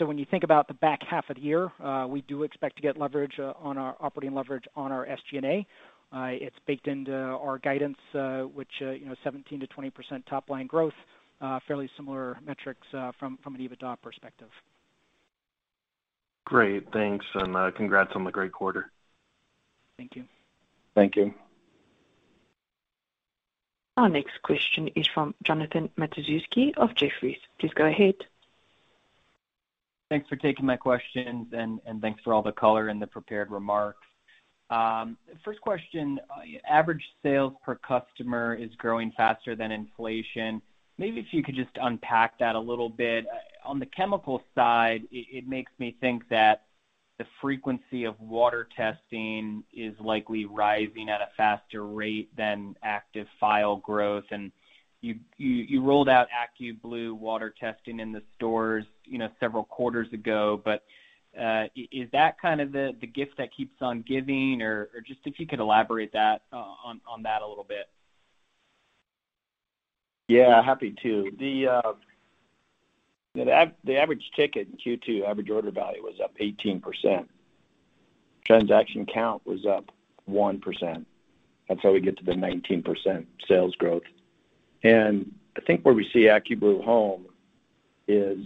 Speaker 4: When you think about the back half of the year, we do expect to get leverage on our operating leverage on our SG&A. It's baked into our guidance, which, you know, 17%-20% top line growth, fairly similar metrics from an EBITDA perspective.
Speaker 10: Great. Thanks, and congrats on the great quarter.
Speaker 4: Thank you.
Speaker 3: Thank you.
Speaker 1: Our next question is from Jonathan Matuszewski of Jefferies. Please go ahead.
Speaker 11: Thanks for taking my questions and thanks for all the color in the prepared remarks. First question, average sales per customer is growing faster than inflation. Maybe if you could just unpack that a little bit. On the chemical side, it makes me think that the frequency of water testing is likely rising at a faster rate than active file growth. You rolled out AccuBlue water testing in the stores, you know, several quarters ago, but is that kind of the gift that keeps on giving? Or just if you could elaborate that on that a little bit.
Speaker 3: Yeah, happy to. The average ticket in Q2, average order value was up 18%. Transaction count was up 1%. That's how we get to the 19% sales growth. I think where we see AccuBlue Home is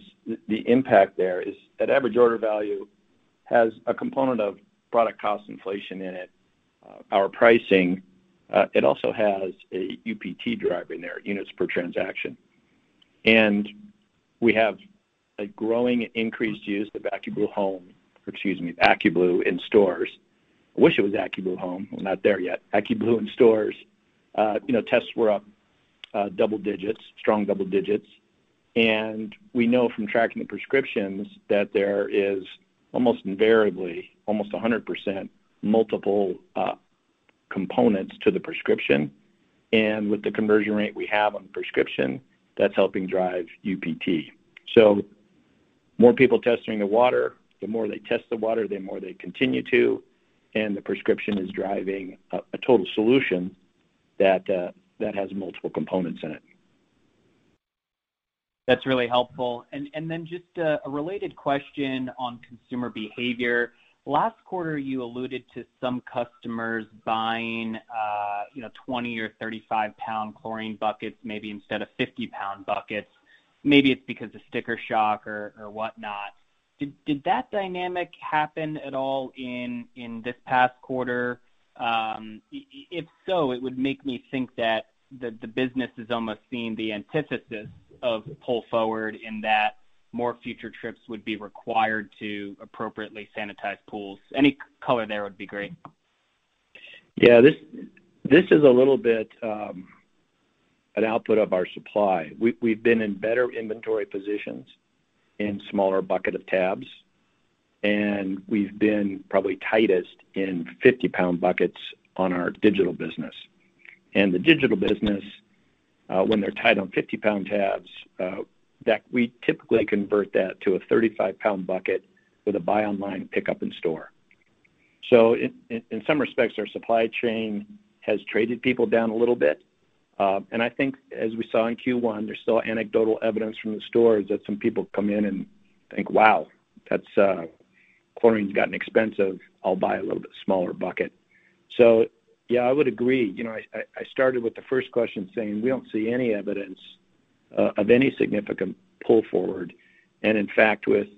Speaker 3: the impact there is that average order value has a component of product cost inflation in it. Our pricing, it also has a UPT driver in there, units per transaction. We have a growing increased use of AccuBlue Home, excuse me, AccuBlue in stores. I wish it was AccuBlue Home. We're not there yet. AccuBlue in stores, you know, tests were up, double digits, strong double digits. We know from tracking the prescriptions that there is almost invariably, almost 100% multiple, components to the prescription. With the conversion rate we have on prescription, that's helping drive UPT. More people testing the water, the more they test the water, the more they continue to, and the prescription is driving a total solution that has multiple components in it.
Speaker 11: That's really helpful. Just a related question on consumer behavior. Last quarter, you alluded to some customers buying, you know, 20 lbs or 35 lbs chlorine buckets maybe instead of 50 lbs buckets. Maybe it's because of sticker shock or whatnot. Did that dynamic happen at all in this past quarter? If so, it would make me think that the business is almost seeing the antithesis of pull forward in that more future trips would be required to appropriately sanitize pools. Any color there would be great.
Speaker 3: Yeah. This is a little bit an output of our supply. We've been in better inventory positions in smaller bucket of tabs, and we've been probably tightest in 50 lbs buckets on our digital business. The digital business, when they're tight on 50 lbs tabs, we typically convert that to a 35 lbs bucket with a buy online pickup in store. In some respects, our supply chain has traded people down a little bit. I think as we saw in Q1, there's still anecdotal evidence from the stores that some people come in and think, "Wow, that's chlorine's gotten expensive. I'll buy a little bit smaller bucket." Yeah, I would agree. You know, I started with the first question saying we don't see any evidence of any significant pull forward. In fact, with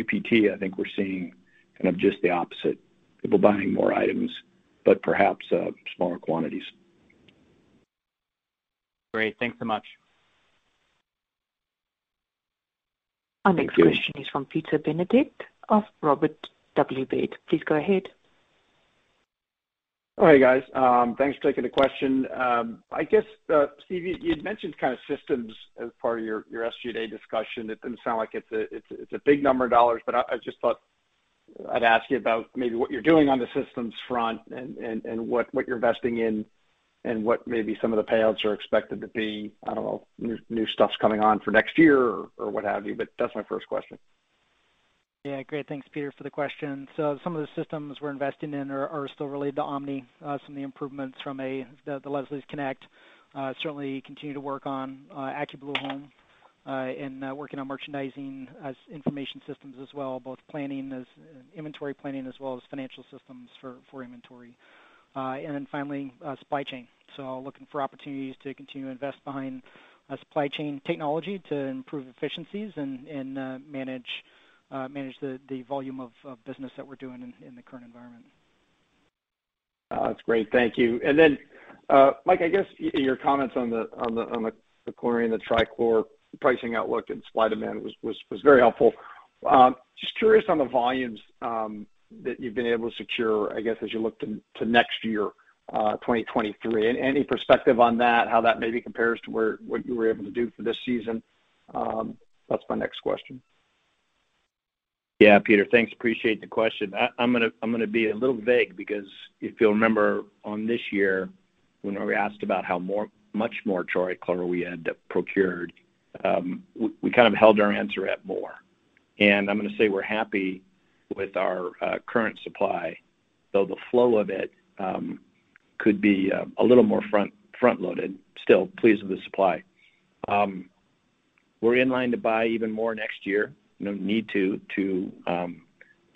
Speaker 3: UPT, I think we're seeing kind of just the opposite. People buying more items, but perhaps smaller quantities.
Speaker 11: Great. Thanks so much.
Speaker 3: Thank you.
Speaker 1: Our next question is from Peter Benedict of Robert W. Baird. Please go ahead.
Speaker 12: All right, guys. Thanks for taking the question. I guess, Steve, you'd mentioned kinda systems as part of your SG&A discussion. It didn't sound like it's a big number of dollars, but I just thought I'd ask you about maybe what you're doing on the systems front and what you're investing in and what maybe some of the payouts are expected to be. I don't know, new stuff's coming on for next year or what have you, but that's my first question.
Speaker 4: Yeah. Great. Thanks, Peter, for the question. Some of the systems we're investing in are still related to Omni, some of the improvements from the Leslie's Connect, certainly continue to work on AccuBlue Home, and working on merchandising and information systems as well, both planning and inventory planning as well as financial systems for inventory. And then finally, supply chain. Looking for opportunities to continue to invest behind supply chain technology to improve efficiencies and manage the volume of business that we're doing in the current environment.
Speaker 12: That's great. Thank you. Mike, I guess your comments on the chlorine, the trichlor pricing outlook and supply and demand was very helpful. Just curious on the volumes that you've been able to secure, I guess, as you look to next year, 2023. Any perspective on that, how that maybe compares to what you were able to do for this season? That's my next question.
Speaker 3: Yeah, Peter. Thanks. Appreciate the question. I'm gonna be a little vague because if you'll remember on this year when we were asked about how much more trichlor we had procured, we kind of held our answer at more. I'm gonna say we're happy with our current supply, though the flow of it could be a little more front-loaded. Still pleased with the supply. We're in line to buy even more next year, you know, need to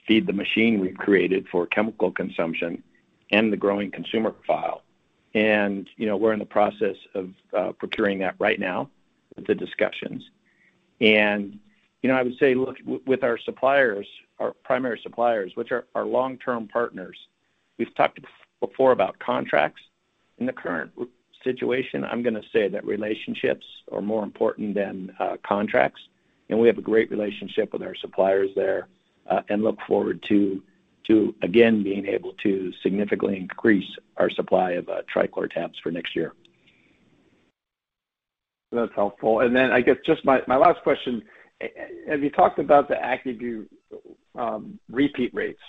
Speaker 3: feed the machine we've created for chemical consumption and the growing consumer profile. You know, we're in the process of procuring that right now with the discussions. You know, I would say, look, with our suppliers, our primary suppliers, which are our long-term partners, we've talked before about contracts. In the current situation, I'm gonna say that relationships are more important than contracts, and we have a great relationship with our suppliers there, and look forward to again being able to significantly increase our supply of trichlor tabs for next year.
Speaker 12: That's helpful. Then I guess just my last question, have you talked about the AccuBlue repeat rates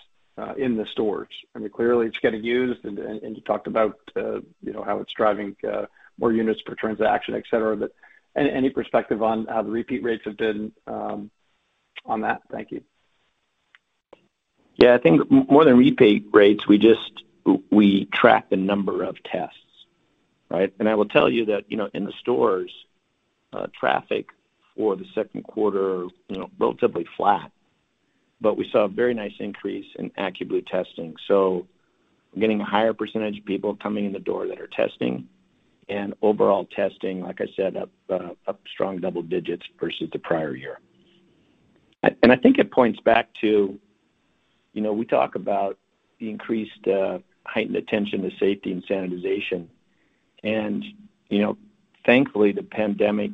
Speaker 12: in the stores? I mean, clearly it's getting used and you talked about, you know, how it's driving more units per transaction, et cetera. But any perspective on how the repeat rates have been on that? Thank you.
Speaker 3: Yeah. I think more than repeat rates, we just track the number of tests, right? I will tell you that, you know, in the stores, traffic for the Q2, you know, relatively flat, but we saw a very nice increase in AccuBlue testing. So we're getting a higher percentage of people coming in the door that are testing and overall testing, like I said, up strong double digits versus the prior year. I think it points back to, you know, we talk about the increased heightened attention to safety and sanitization. You know, thankfully, the pandemic,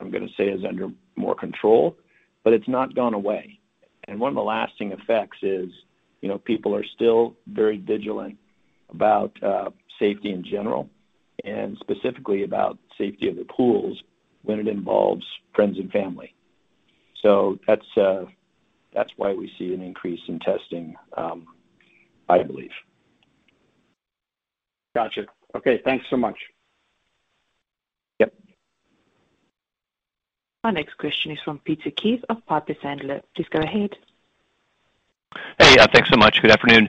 Speaker 3: I'm gonna say, is under more control, but it's not gone away. One of the lasting effects is, you know, people are still very vigilant about safety in general and specifically about safety of the pools when it involves friends and family. That's why we see an increase in testing, I believe.
Speaker 12: Gotcha. Okay. Thanks so much.
Speaker 3: Yep.
Speaker 1: Our next question is from Peter Keith of Piper Sandler. Please go ahead.
Speaker 8: Hey. Thanks so much. Good afternoon.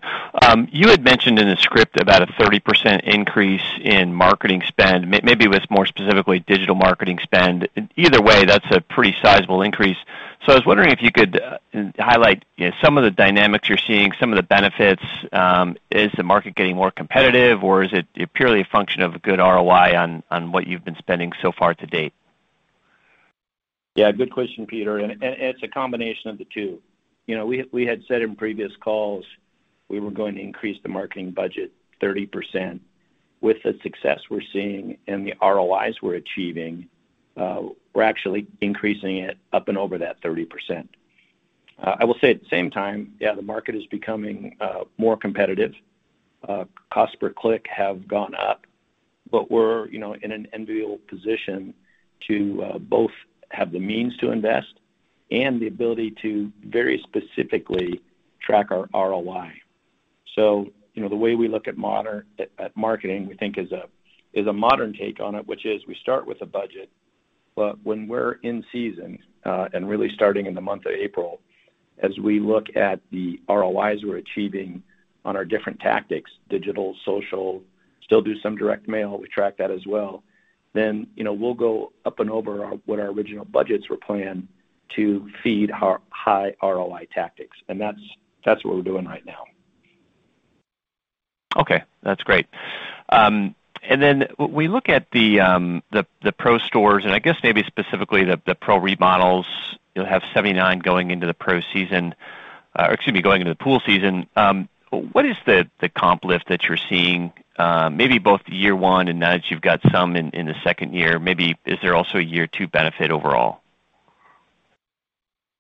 Speaker 8: You had mentioned in the script about a 30% increase in marketing spend, maybe it was more specifically digital marketing spend. Either way, that's a pretty sizable increase. I was wondering if you could highlight, you know, some of the dynamics you're seeing, some of the benefits. Is the market getting more competitive, or is it purely a function of a good ROI on what you've been spending so far to date?
Speaker 3: Yeah, good question, Peter. It's a combination of the two. You know, we had said in previous calls we were going to increase the marketing budget 30%. With the success we're seeing and the ROIs we're achieving, we're actually increasing it up and over that 30%. I will say at the same time, the market is becoming more competitive. Cost per click have gone up, but we're, you know, in an enviable position to both have the means to invest and the ability to very specifically track our ROI. You know, the way we look at modern marketing, we think is a modern take on it, which is we start with a budget. When we're in season, and really starting in the month of April, as we look at the ROIs we're achieving on our different tactics, digital, social, still do some direct mail, we track that as well, then, you know, we'll go up and over our what our original budgets were planned to feed our high ROI tactics, and that's what we're doing right now.
Speaker 8: Okay, that's great. When we look at the Pro stores, and I guess maybe specifically the Pro remodels, you'll have 79 going into the pool season. What is the comp lift that you're seeing, maybe both year one and now that you've got some in the second year, maybe is there also a year two benefit overall?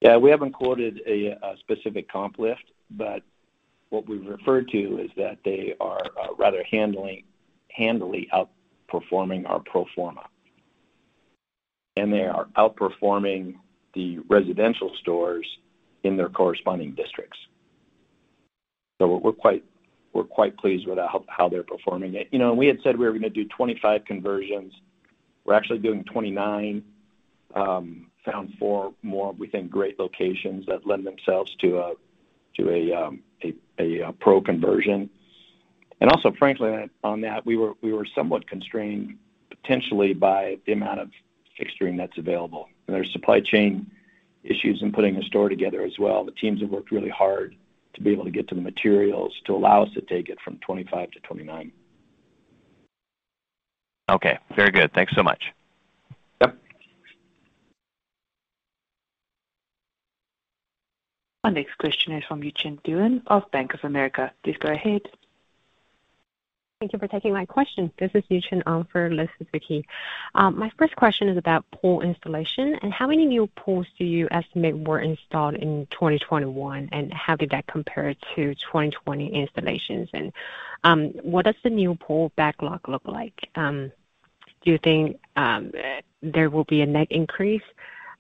Speaker 3: Yeah. We haven't quoted a specific comp lift, but what we've referred to is that they are rather handily outperforming our pro forma. They are outperforming the residential stores in their corresponding districts. We're quite pleased with how they're performing. You know, we had said we were gonna do 25 conversions. We're actually doing 29, found four more, we think, great locations that lend themselves to a Pro conversion. Also frankly on that, we were somewhat constrained potentially by the amount of fixturing that's available. There's supply chain issues in putting a store together as well. The teams have worked really hard to be able to get to the materials to allow us to take it from 25-29.
Speaker 8: Okay, very good. Thanks so much.
Speaker 3: Yep.
Speaker 1: Our next question is from [Yu Chen Duan] of Bank of America. Please go ahead.
Speaker 13: Thank you for taking my question. This is Yu Chen from Merrill Lynch. My first question is about pool installation, and how many new pools do you estimate were installed in 2021, and how did that compare to 2020 installations? What does the new pool backlog look like? Do you think there will be a net increase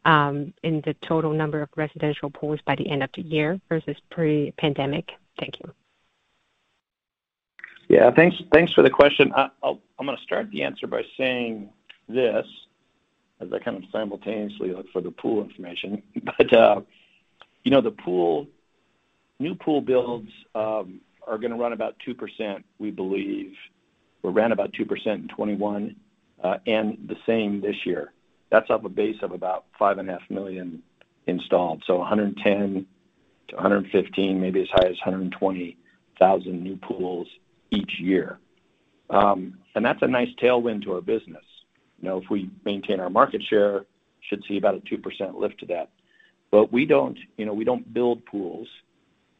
Speaker 13: in the total number of residential pools by the end of the year versus pre-pandemic? Thank you.
Speaker 3: Yeah. Thanks for the question. I'm gonna start the answer by saying this as I kind of simultaneously look for the pool information. You know, the new pool builds are gonna run about 2%, we believe, or ran about 2% in 2021, and the same this year. That's off a base of about 5.5 million installed, so 110-115, maybe as high as 120,000 new pools each year. That's a nice tailwind to our business. You know, if we maintain our market share, should see about a 2% lift to that. We don't, you know, we don't build pools,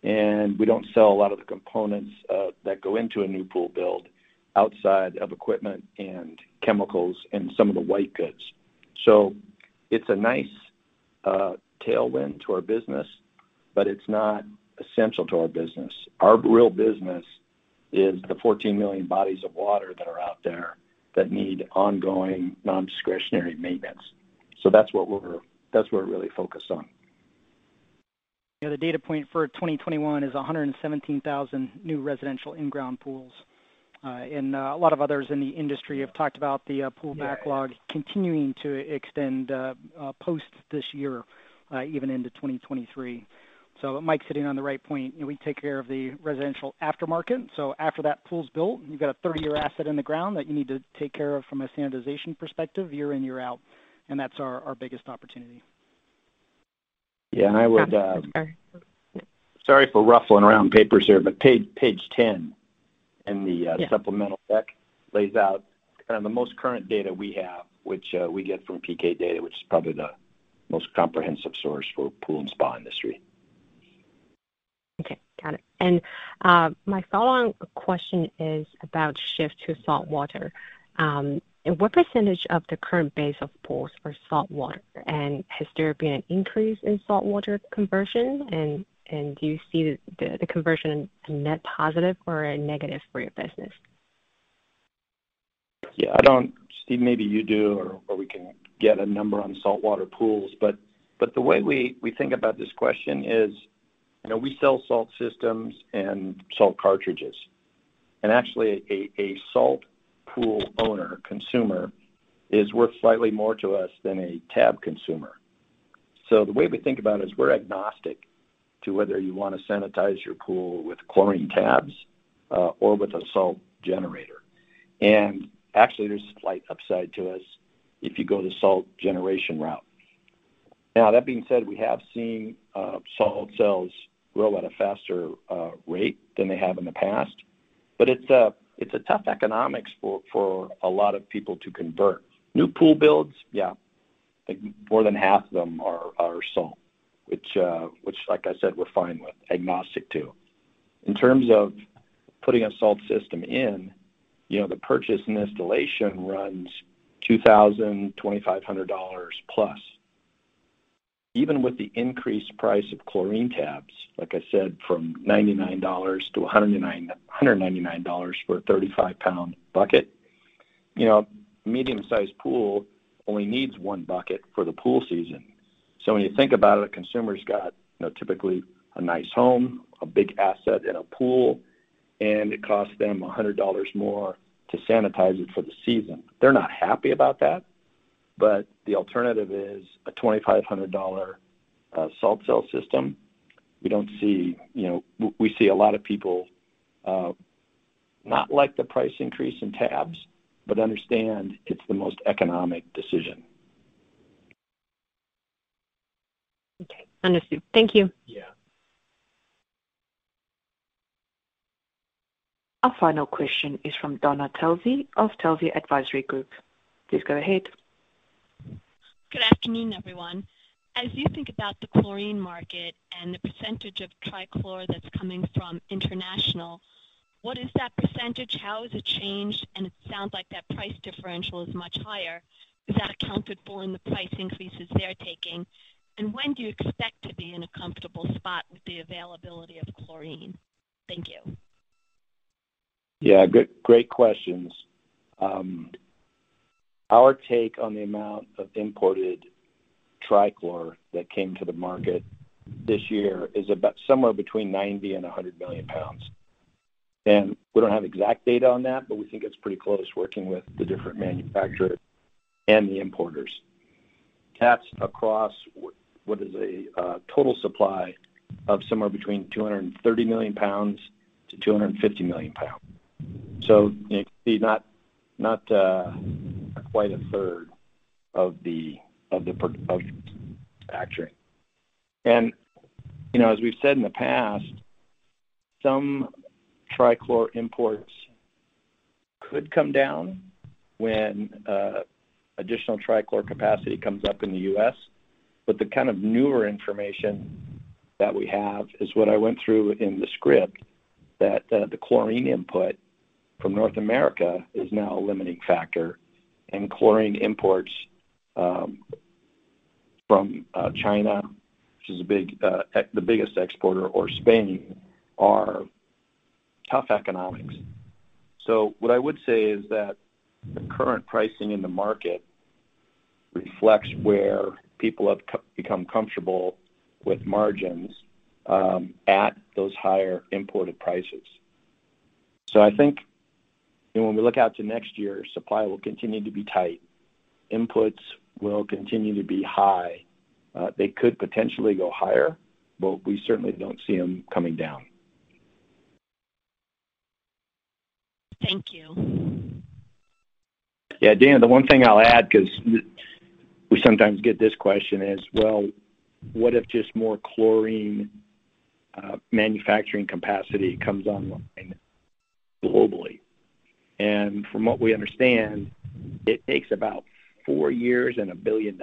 Speaker 3: and we don't sell a lot of the components that go into a new pool build outside of equipment and chemicals and some of the white goods. It's a nice tailwind to our business, but it's not essential to our business. Our real business is the 14 million bodies of water that are out there that need ongoing non-discretionary maintenance. That's what we're really focused on.
Speaker 4: You know, the data point for 2021 is 117,000 new residential in-ground pools. A lot of others in the industry have talked about the pool backlog continuing to extend past this year, even into 2023. Mike's hitting on the right point. You know, we take care of the residential aftermarket, so after that pool's built, you've got a 30-year asset in the ground that you need to take care of from a sanitization perspective, year in, year out, and that's our biggest opportunity.
Speaker 3: Yeah. Sorry for ruffling around papers here, but page 10 in the supplemental deck lays out kind of the most current data we have, which we get from PKdata, which is probably the most comprehensive source for pool and spa industry.
Speaker 13: Okay. Got it. My follow-on question is about shift to saltwater. What percentage of the current base of pools are saltwater? Has there been an increase in saltwater conversion? Do you see the conversion a net positive or a negative for your business?
Speaker 3: Yeah. Steve, maybe you do or we can get a number on saltwater pools, but the way we think about this question is, you know, we sell salt systems and salt cartridges. Actually, a salt pool owner consumer is worth slightly more to us than a tab consumer. The way we think about it is we're agnostic to whether you wanna sanitize your pool with chlorine tabs or with a salt generator. Actually, there's a slight upside to us if you go the salt generation route. Now that being said, we have seen salt cells grow at a faster rate than they have in the past, but it's a tough economics for a lot of people to convert. New pool builds, yeah, like, more than half of them are salt, which like I said, we're fine with, agnostic to. In terms of putting a salt system in, you know, the purchase and installation runs $2,000-$2,500+. Even with the increased price of chlorine tabs, like I said, from $99-$199 for a 35 lbs bucket, you know, medium-sized pool only needs one bucket for the pool season. So when you think about it, a consumer's got, you know, typically a nice home, a big asset in a pool, and it costs them $100 more to sanitize it for the season. They're not happy about that, but the alternative is a $2,500 salt cell system. We see a lot of people not like the price increase in tabs, but understand it's the most economic decision.
Speaker 13: Understood. Thank you.
Speaker 3: Yeah.
Speaker 1: Our final question is from Dana Telsey of Telsey Advisory Group. Please go ahead.
Speaker 14: Good afternoon, everyone. As you think about the chlorine market and the percentage of trichlor that's coming from international, what is that percentage? How has it changed? It sounds like that price differential is much higher. Is that accounted for in the price increases they're taking? When do you expect to be in a comfortable spot with the availability of chlorine? Thank you.
Speaker 3: Yeah. Good. Great questions. Our take on the amount of imported trichlor that came to the market this year is about somewhere between 90 million lbs-100 million lbs. We don't have exact data on that, but we think it's pretty close working with the different manufacturers and the importers. That's across what is a total supply of somewhere between 230 million lbs-250 million lbs. Not quite a 1/3 of the manufacturing. You know, as we've said in the past, some trichlor imports could come down when additional trichlor capacity comes up in the U.S. The kind of newer information that we have is what I went through in the script that the chlorine input from North America is now a limiting factor. Chlorine imports from China, which is the biggest exporter or Spain, are tough economics. What I would say is that the current pricing in the market reflects where people have become comfortable with margins at those higher imported prices. I think when we look out to next year, supply will continue to be tight. Inputs will continue to be high. They could potentially go higher, but we certainly don't see them coming down.
Speaker 14: Thank you.
Speaker 3: Yeah. Dana, the one thing I'll add, because we sometimes get this question is, well, what if just more chlorine manufacturing capacity comes online globally? From what we understand, it takes about four years and $1 billion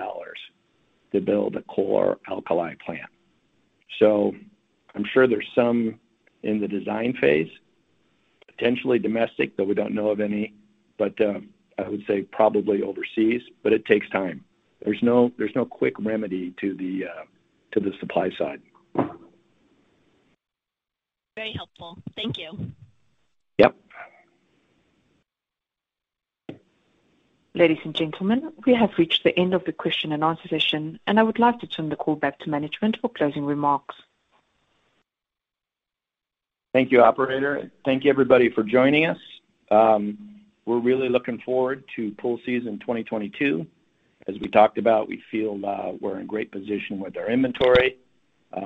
Speaker 3: to build a chlor-alkali plant. I'm sure there's some in the design phase, potentially domestic, though we don't know of any. I would say probably overseas, but it takes time. There's no quick remedy to the supply side.
Speaker 14: Very helpful. Thank you.
Speaker 3: Yep.
Speaker 1: Ladies and gentlemen, we have reached the end of the Q&A session, and I would like to turn the call back to management for closing remarks.
Speaker 3: Thank you, operator. Thank you, everybody, for joining us. We're really looking forward to pool season 2022. As we talked about, we feel we're in great position with our inventory.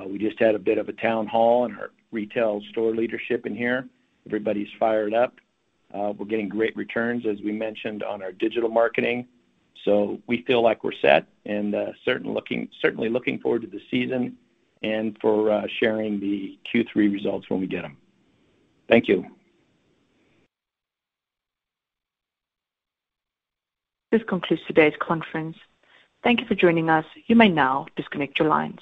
Speaker 3: We just had a bit of a town hall and our retail store leadership in here. Everybody's fired up. We're getting great returns, as we mentioned on our digital marketing. We feel like we're set and certainly looking forward to the season and for sharing the Q3 results when we get them. Thank you.
Speaker 1: This concludes today's conference. Thank you for joining us. You may now disconnect your lines.